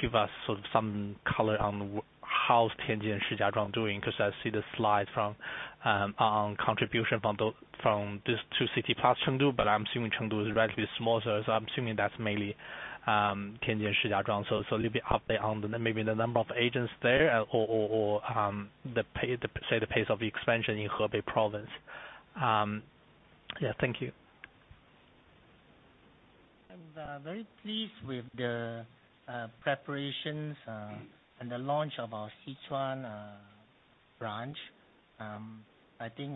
give us some color on how's Tianjin and Shijiazhuang doing, because I see the slide on contribution from these two cities plus Chengdu. I'm assuming Chengdu is relatively small, I'm assuming that's mainly Tianjin, Shijiazhuang. A little bit update on maybe the number of agents there or say, the pace of expansion in Hubei Province. Yeah. Thank you. I'm very pleased with the preparations and the launch of our Sichuan branch. I think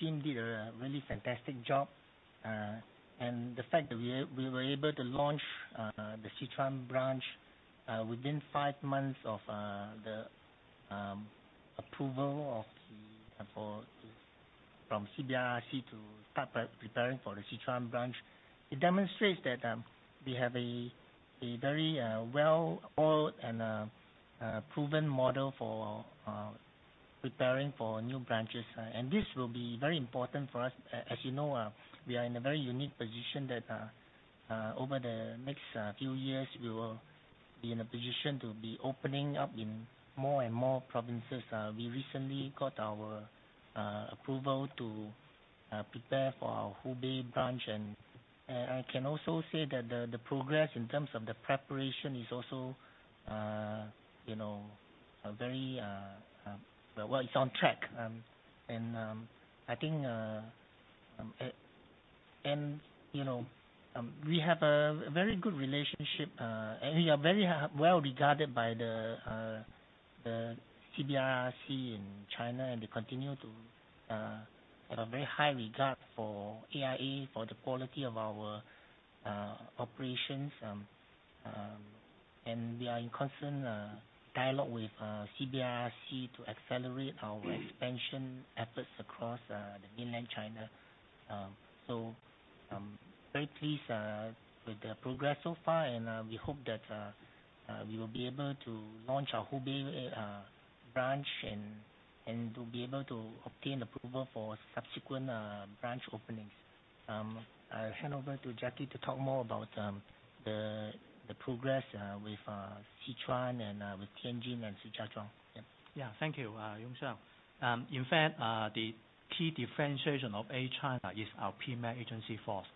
team did a really fantastic job. The fact that we were able to launch the Sichuan branch within five months of the approval from CBIRC to start preparing for the Sichuan branch. It demonstrates that we have a very well-oiled and proven model for preparing for new branches. This will be very important for us. As you know, we are in a very unique position that over the next few years, we will be in a position to be opening up in more and more provinces. We recently got our approval to prepare for our Hubei branch, and I can also say that the progress in terms of the preparation is also on track. We have a very good relationship, and we are very well-regarded by the CBIRC in China, and they continue to have a very high regard for AIA, for the quality of our operations. We are in constant dialogue with CBIRC to accelerate our expansion efforts across the mainland China. Very pleased with the progress so far. We hope that we will be able to launch our Hubei Branch and to be able to obtain approval for subsequent branch openings. I'll hand over to Jacky to talk more about the progress with Sichuan and with Tianjin and Shijiazhuang. Yeah. Thank you, Yuan Siong. In fact, the key differentiation of AIA China is our premier agency force.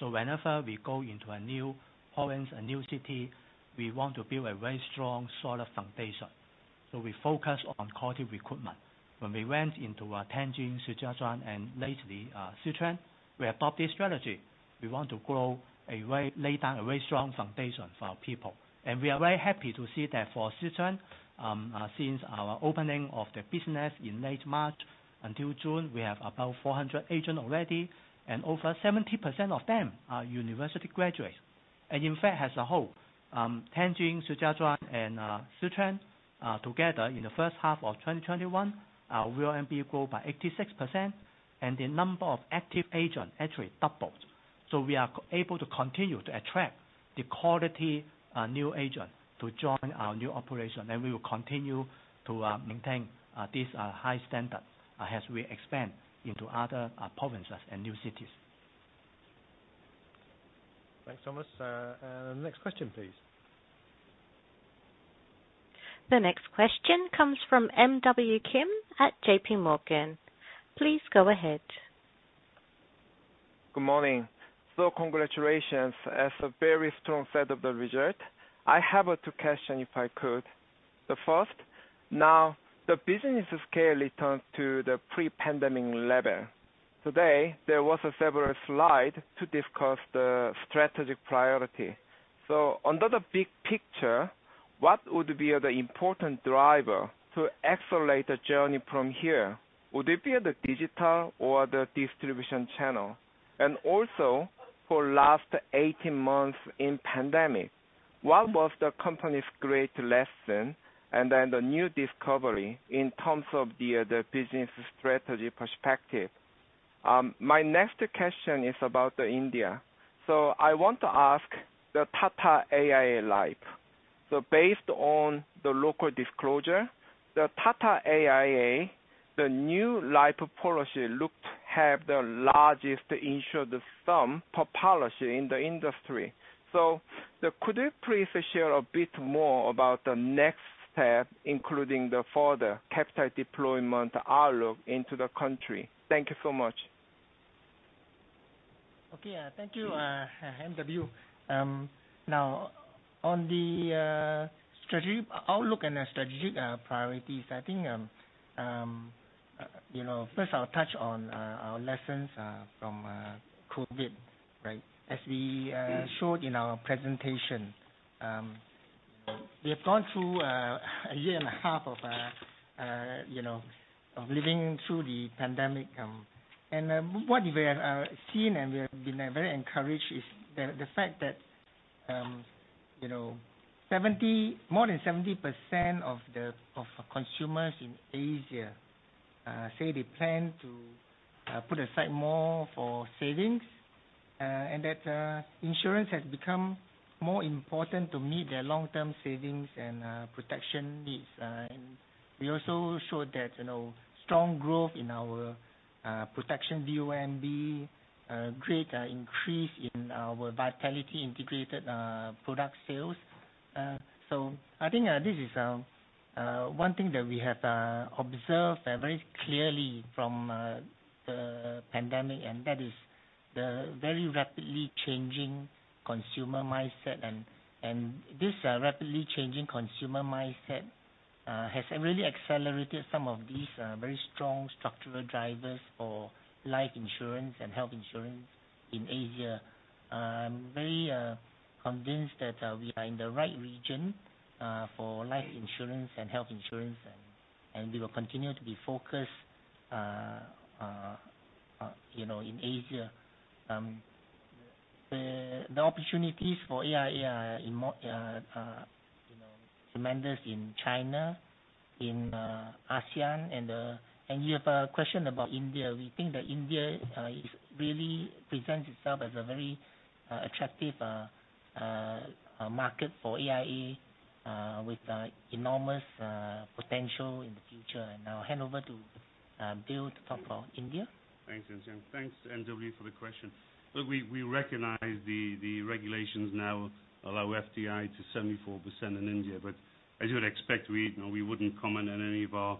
Whenever we go into a new province, a new city, we want to build a very strong, solid foundation. We focus on quality recruitment. When we went into Tianjin, Shijiazhuang, and lately, Sichuan, we adopt this strategy. We want to lay down a very strong foundation for our people. We are very happy to see that for Sichuan, since our opening of the business in late March until June, we have about 400 agents already, and over 70% of them are university graduates. In fact, as a whole, Tianjin, Shijiazhuang, and Sichuan, together in the first half of 2021, our RMB grew by 86%, and the number of active agents actually doubled. We are able to continue to attract the quality new agent to join our new operation, and we will continue to maintain this high standard as we expand into other provinces and new cities Thanks so much. Next question, please. The next question comes from MW Kim at JPMorgan, please go ahead. Good morning. Congratulations. As a very strong set of results. I have two questions if I could. The first, now the business has clearly returned to the pre-pandemic level. Today, there were several slides to discuss the strategic priority. Under the big picture, what would be the important driver to accelerate the journey from here? Would it be the digital or the distribution channel? Also, for last 18 months in pandemic, what was the company's great lesson and then the new discovery in terms of the business strategy perspective? My next question is about India. I want to ask the Tata AIA Life. Based on the local disclosure, the Tata AIA, the new life policy looked to have the largest insured sum per policy in the industry. Could you please share a bit more about the next step, including the further capital deployment outlook into the country? Thank you so much. Okay. Thank you, MW. On the strategic outlook and strategic priorities, I think, first I'll touch on our lessons from COVID, right? As we showed in our presentation. We have gone through a year and a half of living through the pandemic. What we have seen, and we have been very encouraged, is the fact that more than 70% of consumers in Asia say they plan to put aside more for savings, and that insurance has become more important to meet their long-term savings and protection needs. We also showed that strong growth in our protection VONB, great increase in our Vitality Integrated Product sales. I think this is one thing that we have observed very clearly from the pandemic, and that is the very rapidly changing consumer mindset. This rapidly changing consumer mindset has really accelerated some of these very strong structural drivers for life insurance and health insurance in Asia. I'm very convinced that we are in the right region for life insurance and health insurance, and we will continue to be focused in Asia. The opportunities for AIA are tremendous in China, in ASEAN. You have a question about India. We think that India really presents itself as a very attractive market for AIA, with enormous potential in the future. Now I'll hand over to Bill to talk about India. Thanks, Lee Yuan Siong. Thanks, MW Kim, for the question. Look, we recognize the regulations now allow FDI to 74% in India. As you would expect, we wouldn't comment on any of our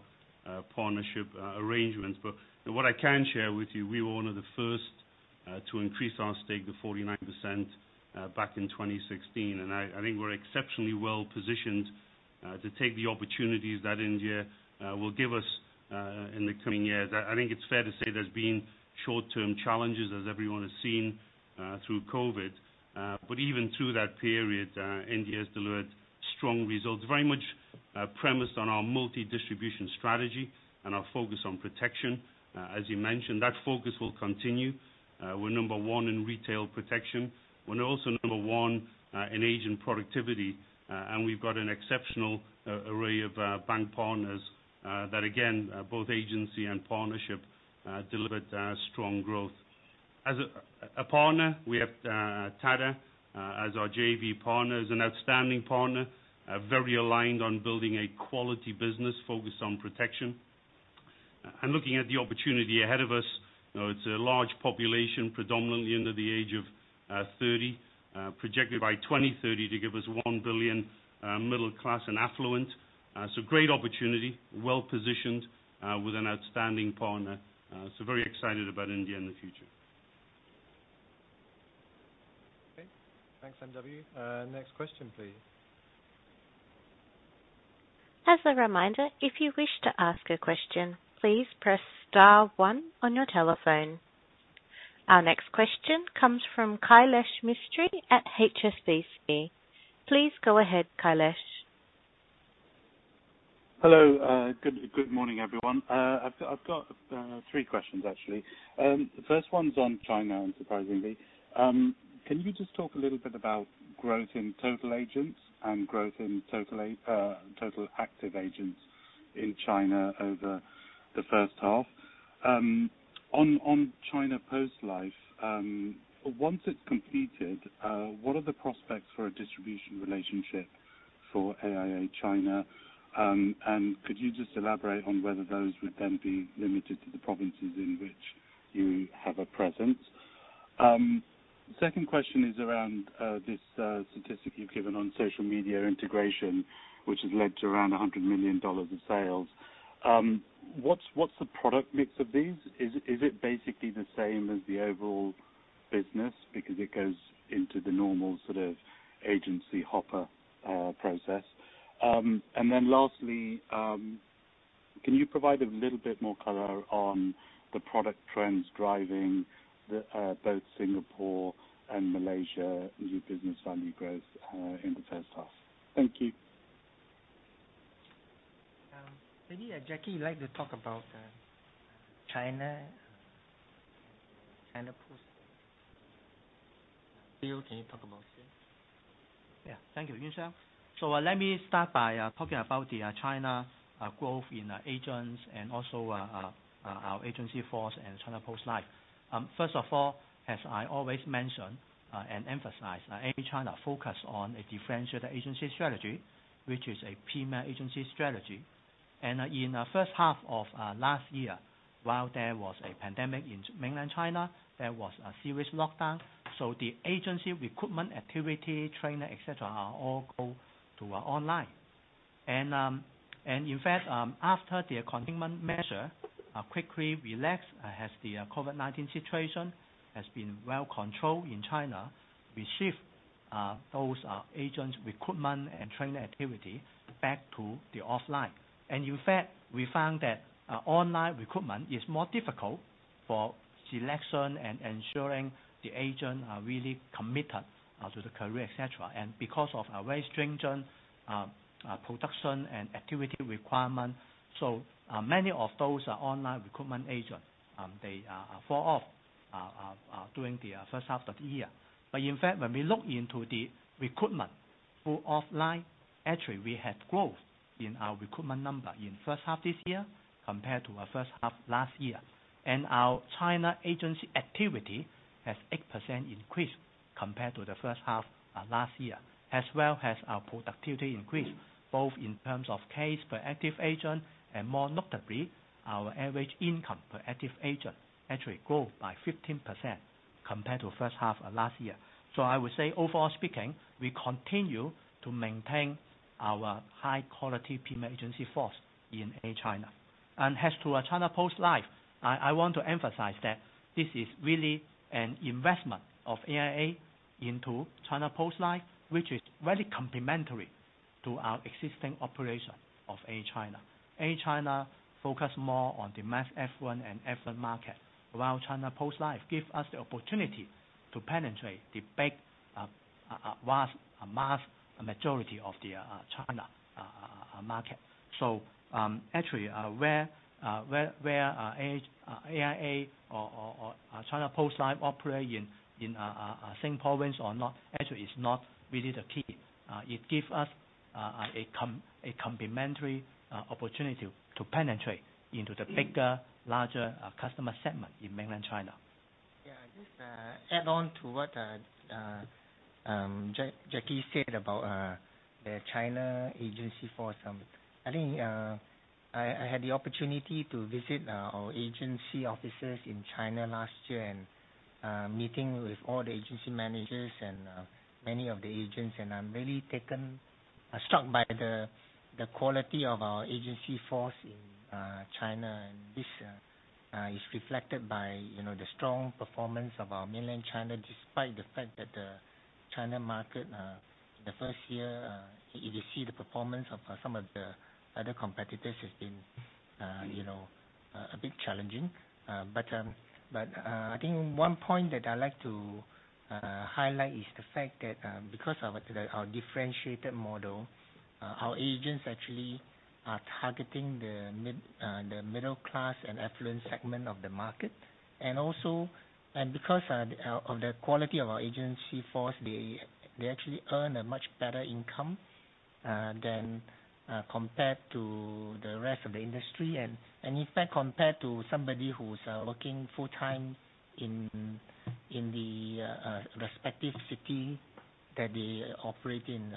partnership arrangements. What I can share with you, we were one of the first to increase our stake to 49% back in 2016. I think we're exceptionally well positioned to take the opportunities that India will give us in the coming years. I think it's fair to say there's been short-term challenges as everyone has seen through COVID. Even through that period, India has delivered strong results, very much premised on our multi distribution strategy and our focus on protection. As you mentioned, that focus will continue. We're number one in retail protection. We're also number 1 in agent productivity. We've got an exceptional array of bank partners that, again, both agency and partnership delivered strong growth. As a partner, we have Tata as our JV partner, as an outstanding partner, very aligned on building a quality business focused on protection. Looking at the opportunity ahead of us, it's a large population predominantly under the age of 30, projected by 2030 to give us one billion middle class and affluent. Great opportunity, well-positioned, with an outstanding partner. Very excited about India in the future. Okay. Thanks, MW. Next question, please. As a reminder, if you wish to ask a question, please press star one on your telephone. Our next question comes from Kailesh Mistry at HSBC, please go ahead Kailesh. Hello. Good morning, everyone. I've got three questions, actually. The first one's on China, unsurprisingly. Can you just talk a little bit about growth in total agents and growth in total active agents in AIA China over the first half? On China Post Life, once it's completed, what are the prospects for a distribution relationship for AIA China? Could you just elaborate on whether those would then be limited to the provinces in which you have a presence? Second question is around this statistic you've given on social media integration, which has led to around $100 million in sales. What's the product mix of these? Is it basically the same as the overall business? It goes into the normal sort of agency hopper process. Lastly, can you provide a little bit more color on the product trends driving both Singapore and Malaysia new business value growth in the first half? Thank you. Maybe, Jacky, you'd like to talk about China Post. Bill, can you talk about sales? Thank you, Lee Yuan Siong. Let me start by talking about the China growth in agents and also our agency force and China Post Life. First of all, as I always mention and emphasize, AIA China focus on a differentiated agency strategy, which is a premier agency strategy. In the first half of last year, while there was a pandemic in mainland China, there was a serious lockdown. The agency recruitment activity, training, et cetera, all go to online. In fact, after the containment measure quickly relaxed as the COVID-19 situation has been well controlled in China, we shift those agent recruitment and training activity back to the offline. In fact, we found that online recruitment is more difficult for selection and ensuring the agent are really committed to the career, et cetera. Because of a very stringent production and activity requirement, many of those online recruitment agent, they fall off during the first half of the year. In fact, when we look into the recruitment through offline, actually, we had growth in our recruitment number in first half this year compared to our first half last year. Our China agency activity has 8% increase compared to the first half last year. As well as our productivity increase, both in terms of case per active agent and more notably, our average income per active agent actually grow by 15% compared to first half of last year. I would say overall speaking, we continue to maintain our high-quality premier agency force in AIA China. As to our China Post Life, I want to emphasize that this is really an investment of AIA into China Post Life, which is very complementary to our existing operation of AIA China. AIA China focus more on the mass affluent and affluent market. While China Post Life give us the opportunity to penetrate the big, vast, mass majority of the China market. Actually, where AIA or China Post Life operate in same province or not, actually is not really the key. It give us a complementary opportunity to penetrate into the bigger, larger customer segment in mainland China. Yeah. Just add on to what Jacky said about the China agency force. I had the opportunity to visit our agency offices in China last year, and meeting with all the agency managers and many of the agents, and I'm really struck by the quality of our agency force in China. This is reflected by the strong performance of our mainland China, despite the fact that the China market, in the first year, if you see the performance of some of the other competitors has been a bit challenging. One point that I like to highlight is the fact that, because of our differentiated model, our agents actually are targeting the middle class and affluent segment of the market. Because of the quality of our agency force, they actually earn a much better income. Compared to the rest of the industry. In fact, compared to somebody who's working full-time in the respective city that they operate in,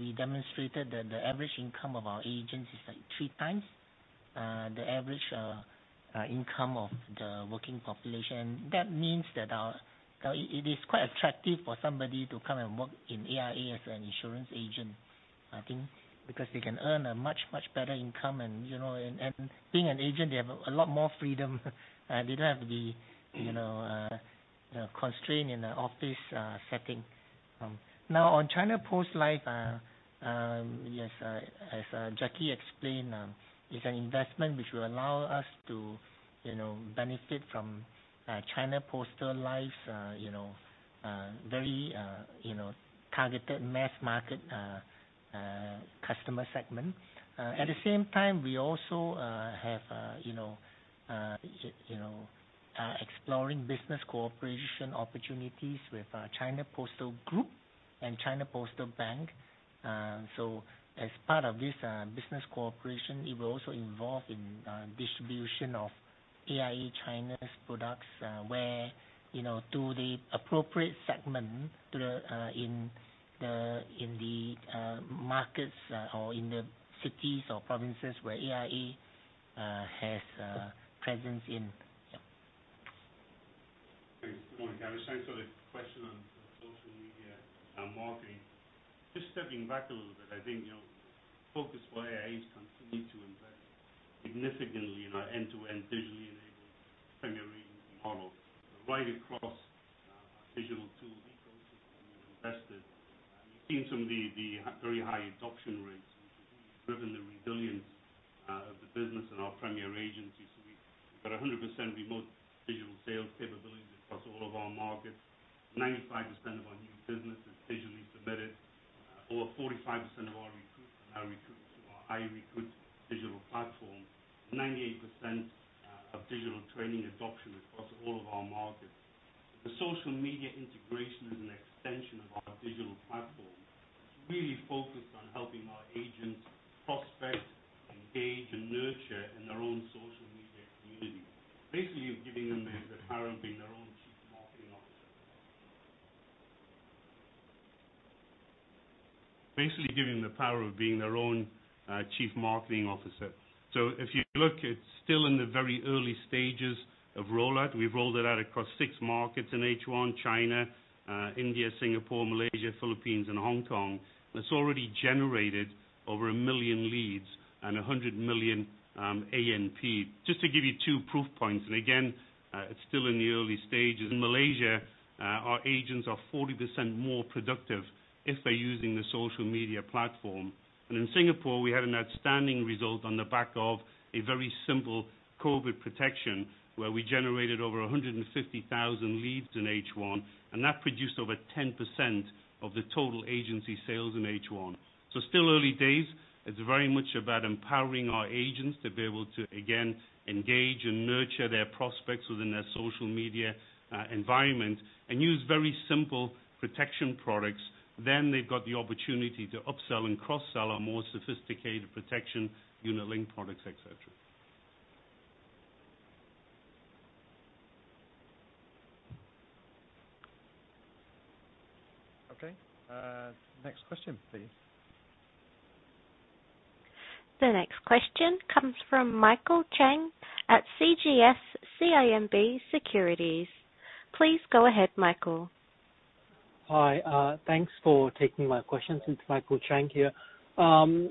we demonstrated that the average income of our agents is three times the average income of the working population. That means that it is quite attractive for somebody to come and work in AIA as an insurance agent, I think because they can earn a much better income. Being an agent, they have a lot more freedom. They don't have to be constrained in the office setting. Now on China Post Life, yes, as Jacky explained, it's an investment which will allow us to benefit from China Post Life's very targeted mass market customer segment. At the same time, we also have exploring business cooperation opportunities with China Post Group and China Postal Bank. As part of this business cooperation, it will also involve in distribution of AIA China's products, where to the appropriate segment in the markets or in the cities or provinces where AIA has presence in. Yeah. Thanks. Morning, Kailesh Mistry. Thanks for the question on social media marketing. Just stepping back a little bit, I think focus for AIA is continue to invest significantly in our end-to-end digitally enabled primary model right across our digital tool ecosystem. We've invested, and we've seen some of the very high adoption rates, which I think has driven the resilience of the business and our premier agencies. We've got 100% remote digital sales capabilities across all of our markets. 95% of our new business is digitally submitted. Over 45% of our recruitment now recruits through our iRecruit digital platform. 98% of digital training adoption across all of our markets. The social media integration is an extension of our digital platform. It's really focused on helping our agents prospect, engage, and nurture in their own social media community. Basically giving them the power of being their own Chief Marketing Officer. If you look, it's still in the very early stages of rollout. We've rolled it out across six markets in H1, China, India, Singapore, Malaysia, Philippines, and Hong Kong. It's already generated over a million leads and 100 million ANP. Just to give you two proof points, and again, it's still in the early stages. In Malaysia, our agents are 40% more productive if they're using the social media platform. In Singapore, we had an outstanding result on the back of a very simple COVID protection, where we generated over 150,000 leads in H1, and that produced over 10% of the total agency sales in H1. Still early days. It's very much about empowering our agents to be able to, again, engage and nurture their prospects within their social media environment and use very simple protection products. They've got the opportunity to upsell and cross-sell our more sophisticated protection, unit-linked products, et cetera. Okay. Next question, please. The next question comes from Michael Chang at CGS-CIMB Securities, please go ahead Michael. Hi. Thanks for taking my questions. It is Michael Chang here. On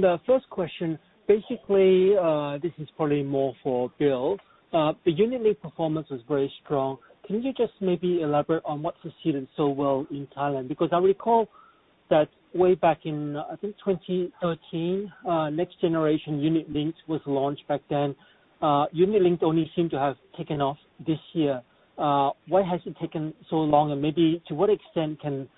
the first question, basically, this is probably more for Bill. The unit link performance was very strong. Can you just maybe elaborate on what succeeded so well in Thailand? I recall that way back in, I think, 2013, next generation unit links was launched back then. Unit linked only seemed to have taken off this year. Why has it taken so long? Maybe to what extent can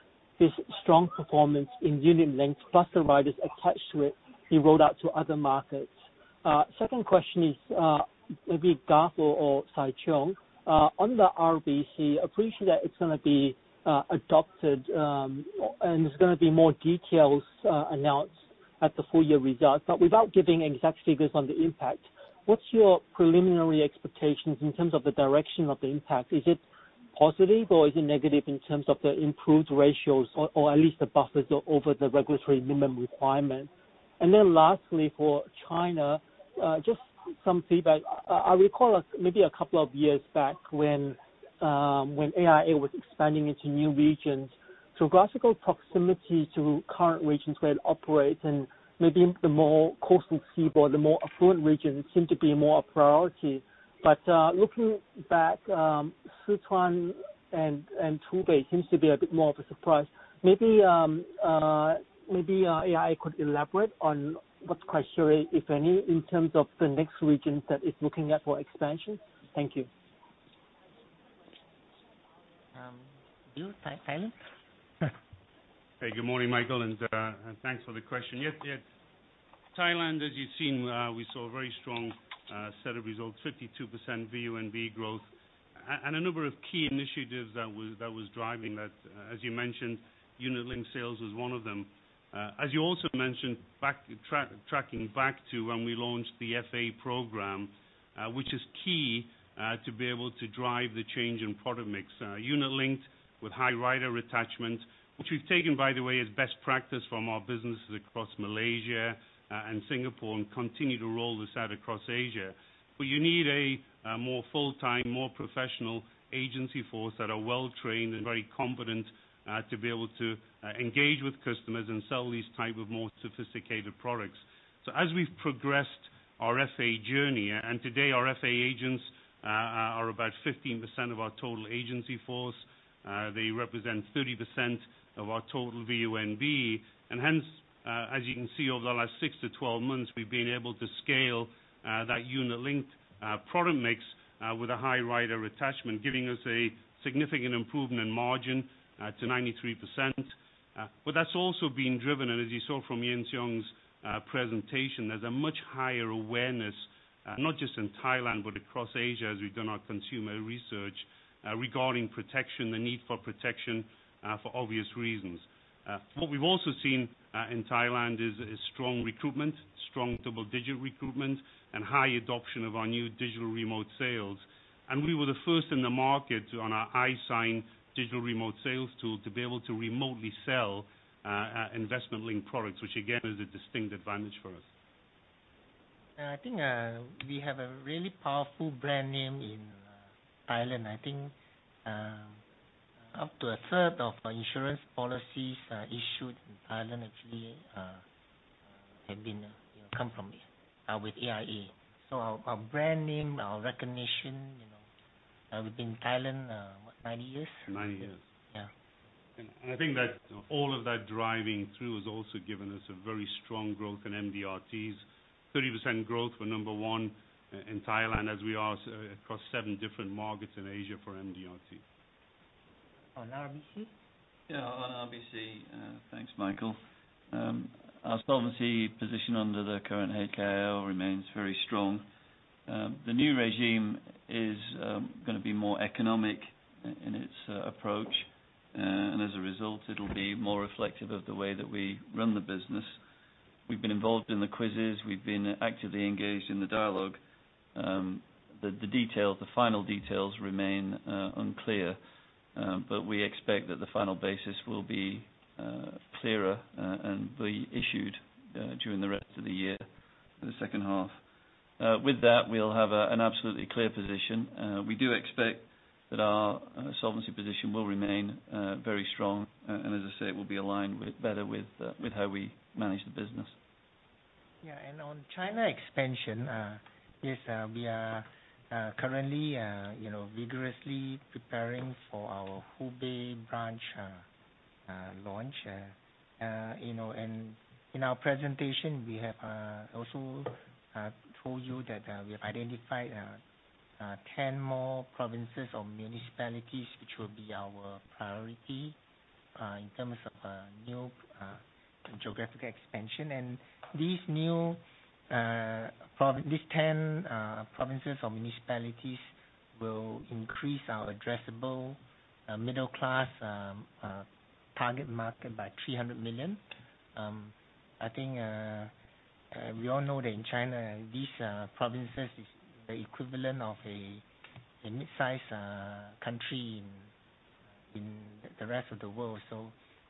this strong performance in unit link plus the riders attached to it be rolled out to other markets? Second question is, maybe Garth or Yuan Siong. On the RBC, appreciate that it is going to be adopted, and there is going to be more details announced at the full year results. Without giving exact figures on the impact, what is your preliminary expectations in terms of the direction of the impact? Is it positive or is it negative in terms of the improved ratios or at least the buffers over the regulatory minimum requirement? Lastly, for China, just some feedback. I recall maybe a couple of years back when AIA was expanding into new regions, geographical proximity to current regions where it operates, and maybe the more coastal seaboard, the more affluent regions seem to be more a priority. Looking back, Sichuan and Hubei seems to be a bit more of a surprise. Maybe AIA could elaborate on what's the criteria, if any, in terms of the next regions that it's looking at for expansion. Thank you. Bill, Thailand? Hey, good morning, Michael, and thanks for the question. Yes, Thailand, as you've seen, we saw a very strong set of results, 52% VONB growth. A number of key initiatives that was driving that. As you mentioned, unit-linked sales was one of them. As you also mentioned, tracking back to when we launched the FA program, which is key to be able to drive the change in product mix. Unit-linked with high rider attachment, which we've taken, by the way, as best practice from our businesses across Malaysia and Singapore, and continue to roll this out across Asia. You need a more full-time, more professional agency force that are well-trained and very competent to be able to engage with customers and sell these type of more sophisticated products. As we've progressed our FA journey, today our FA agents are about 15% of our total agency force. They represent 30% of our total VONB. Hence, as you can see, over the last 6-12 months, we've been able to scale that unit-linked product mix with a high rider attachment, giving us a significant improvement in margin to 93%. That's also being driven, and as you saw from Lee Yuan Siong's presentation, there's a much higher awareness, not just in Thailand, but across Asia as we've done our consumer research regarding protection, the need for protection for obvious reasons. What we've also seen in Thailand is strong recruitment, strong double-digit recruitment, and high adoption of our new digital remote sales. We were the first in the market on our iSign digital remote sales tool to be able to remotely sell investment-linked products, which again, is a distinct advantage for us. I think we have a really powerful brand name in Thailand. I think up to a third of our insurance policies issued in Thailand actually have come from with AIA. Our brand name, our recognition, we've been in Thailand 90 years. 90 years. Yeah. I think that all of that driving through has also given us a very strong growth in MDRTs. 30% growth. We are number one in Thailand as we are across seven different markets in Asia for MDRT. On RBC? Yeah, on RBC. Thanks, Michael. Our solvency position under the current HKIO remains very strong. The new regime is going to be more economic in its approach, and as a result, it'll be more reflective of the way that we run the business. We've been involved in the quizzes. We've been actively engaged in the dialogue. The final details remain unclear, but we expect that the final basis will be clearer and be issued during the rest of the year, the second half. With that, we'll have an absolutely clear position. We do expect that our solvency position will remain very strong. As I say, it will be aligned better with how we manage the business. Yeah. On China expansion, yes, we are currently vigorously preparing for our Hubei branch launch. In our presentation, we have also told you that we have identified 10 more provinces or municipalities, which will be our priority in terms of new geographic expansion. These 10 provinces or municipalities will increase our addressable middle class target market by 300 million. I think we all know that in China, these provinces is the equivalent of a mid-size country in the rest of the world.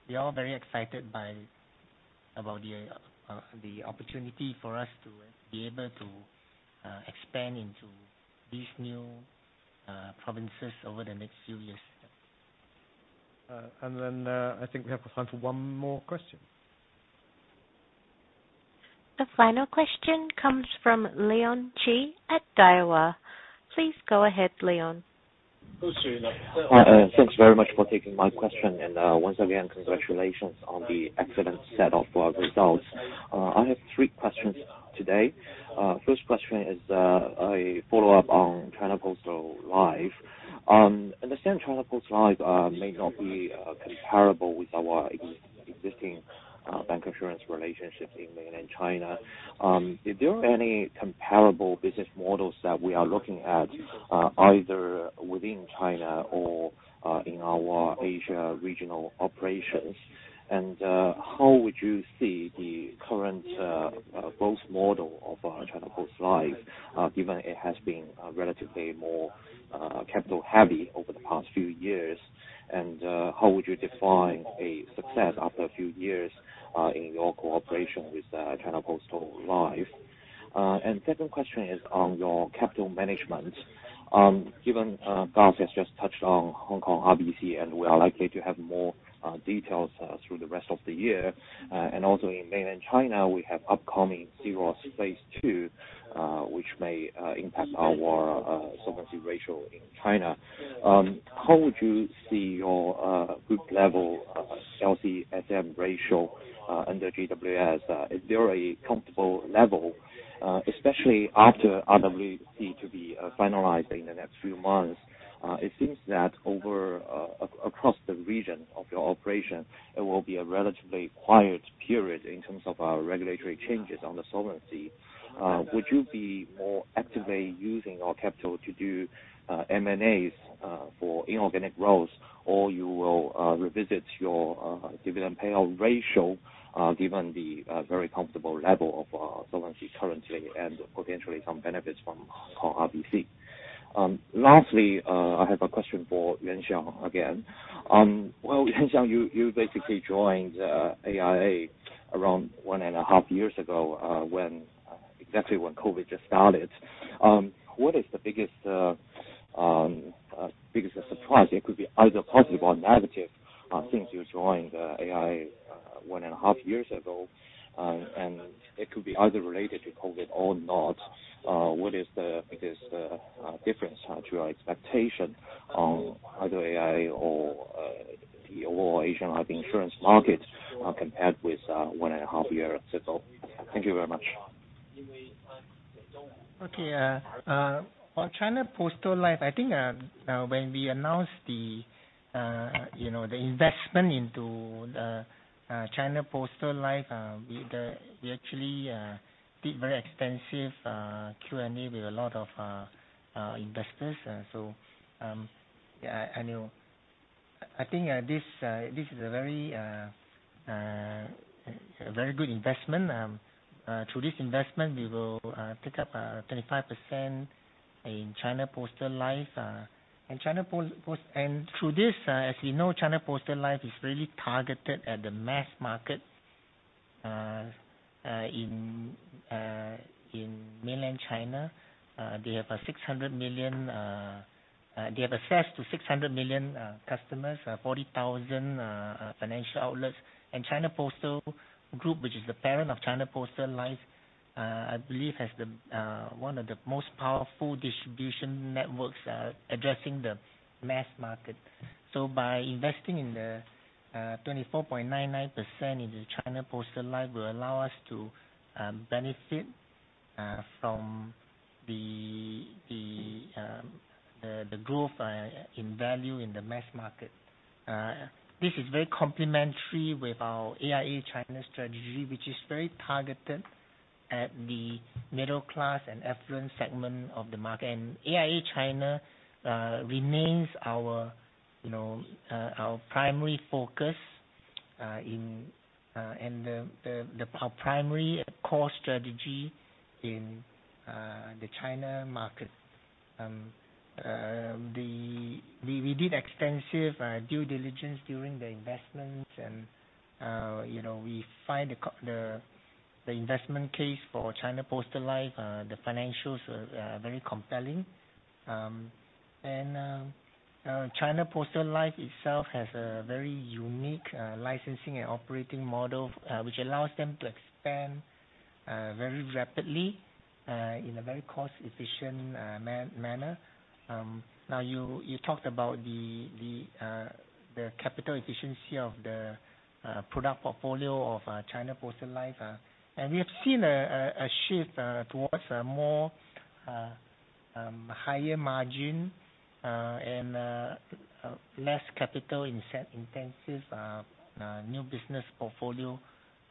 We are all very excited about the opportunity for us to be able to expand into these new provinces over the next few years. I think we have time for one more question. The final question comes from Leon Qi at Daiwa, please go ahead Leon. Go straight in. Thanks very much for taking my question. Once again, congratulations on the excellent set of results. I have three questions today. First question is a follow-up on China Post Life. Understand China Post Life may not be comparable with our existing bancassurance relationships in Mainland China. Is there any comparable business models that we are looking at, either within China or in our Asia regional operations? How would you see the current growth model of China Post Life, given it has been relatively more capital heavy over the past few years? How would you define a success after a few years in your cooperation with China Post Life? Second question is on your capital management. Given Garth has just touched on Hong Kong RBC, and we are likely to have more details through the rest of the year. Also in mainland China, we have upcoming C-ROSS phase II which may impact our solvency ratio in China. How would you see your group level LCSM ratio under ICS? Is there a comfortable level, especially after RBC to be finalized in the next few months. It seems that across the region of your operation, it will be a relatively quiet period in terms of regulatory changes on the solvency. Would you be more actively using our capital to do M&As for inorganic growth, or you will revisit your dividend payout ratio given the very comfortable level of solvency currently and potentially some benefits from RBC? Lastly, I have a question for Lee Yuan Siong again. Well, Lee Yuan Siong, you basically joined AIA around one and a half years ago, exactly when COVID-19 just started. What is the biggest surprise, it could be either positive or negative, since you joined AIA one and a half years ago? It could be either related to COVID or not. What is the biggest difference to your expectation on either AIA or the overall Asian life insurance market compared with one and a half years ago? Thank you very much. Okay. On China Post Life, I think when we announced the investment into China Post Life, we actually did very extensive Q&A with a lot of investors. I think this is a very good investment. Through this investment, we will take up 25% in China Post Life. Through this, as we know, China Post Life is really targeted at the mass market in mainland China. They have access to 600 million customers, 40,000 financial outlets, and China Post Group, which is the parent of China Post Life, I believe, has one of the most powerful distribution networks addressing the mass market. By investing in the 24.99% in the China Post Life will allow us to benefit from the growth in value in the mass market. This is very complementary with our AIA China strategy, which is very targeted at the middle class and affluent segment of the market. AIA China remains our primary focus and the primary core strategy in the China market. We did extensive due diligence during the investments, we find the investment case for China Post Life, the financials are very compelling. China Post Life itself has a very unique licensing and operating model, which allows them to expand very rapidly in a very cost-efficient manner. Now, you talked about the capital efficiency of the product portfolio of China Post Life. We have seen a shift towards a more higher margin and less capital intensive new business portfolio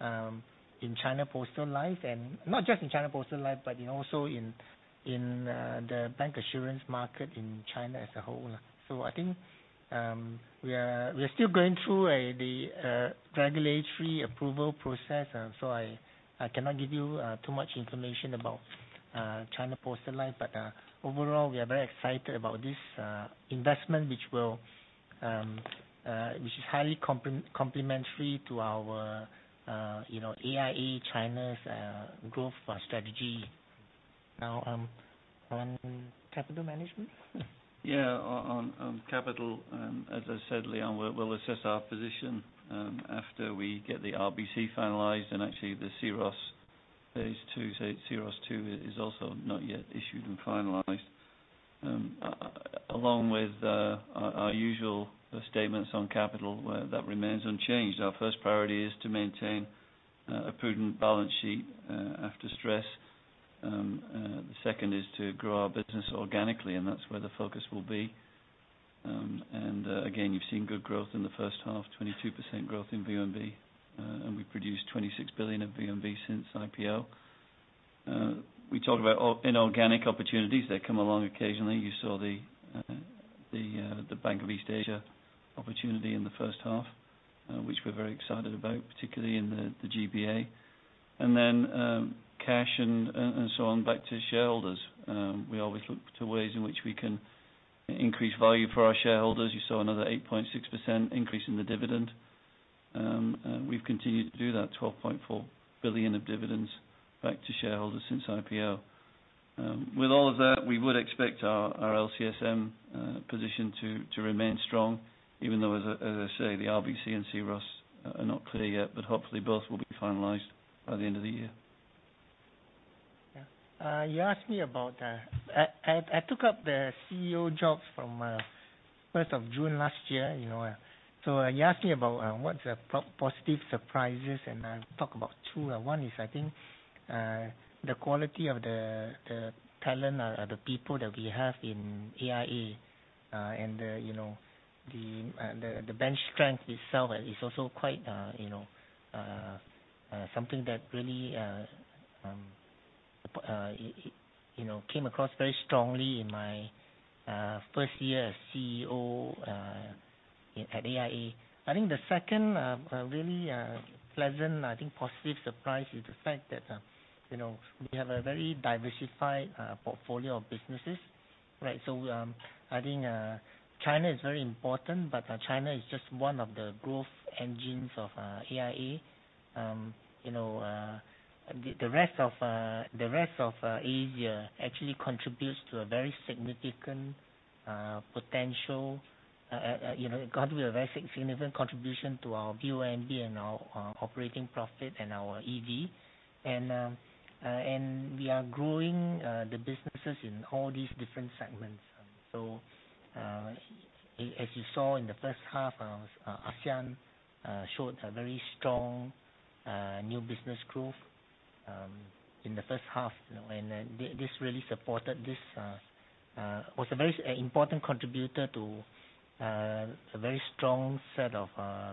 in China Post Life. Not just in China Post Life, but also in the bank assurance market in China as a whole. I think we're still going through the regulatory approval process. I cannot give you too much information about China Post Life. Overall, we are very excited about this investment, which is highly complementary to our AIA China's growth strategy. Now, on capital management? On capital, as I said, Leon Qi, we'll assess our position after we get the RBC finalized, and actually the C-ROSS phase II, so C-ROSS II is also not yet issued and finalized. Along with our usual statements on capital, that remains unchanged. Our first priority is to maintain a prudent balance sheet after stress. The second is to grow our business organically, that's where the focus will be. Again, you've seen good growth in the first half, 22% growth in VONB. We've produced $26 billion of VONB since IPO. We talked about inorganic opportunities that come along occasionally. You saw the Bank of East Asia opportunity in the first half, which we're very excited about, particularly in the GBA. Cash and so on, back to shareholders. We always look to ways in which we can increase value for our shareholders. You saw another 8.6% increase in the dividend. We've continued to do that, $12.4 billion of dividends back to shareholders since IPO. With all of that, we would expect our LCSM position to remain strong, even though, as I say, the RBC and C-ROSS are not clear yet. Hopefully, both will be finalized by the end of the year. Yeah. You asked me about I took up the Chief Executive Officer jobs from 1st of June last year. You asked me about what's the positive surprises, and I'll talk about two. One is, I think, the quality of the talent or the people that we have in AIA. The bench strength itself is also something that really came across very strongly in my first year as Chief Executive Officer at AIA. I think the second really pleasant, I think, positive surprise is the fact that we have a very diversified portfolio of businesses, right? I think China is very important, but China is just one of the growth engines of AIA. The rest of Asia actually contributes to a very significant potential, contribute a very significant contribution to our VONB and our operating profit and our EV. We are growing the businesses in all these different segments. As you saw in the first half, ASEAN showed a very strong new business growth in the first half. This really supported, was a very important contributor to a very strong set of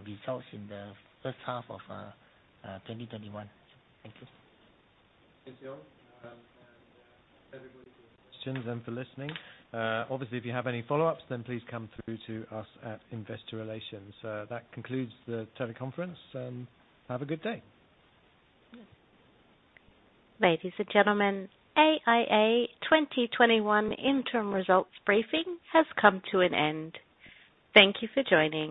results in the first half of 2021. Thank you. Thank you all, and thank you everybody for your questions and for listening. Obviously, if you have any follow-ups, then please come through to us at Investor Relations. That concludes the teleconference. Have a good day. Ladies and gentlemen, AIA 2021 interim results briefing has come to an end. Thank you for joining.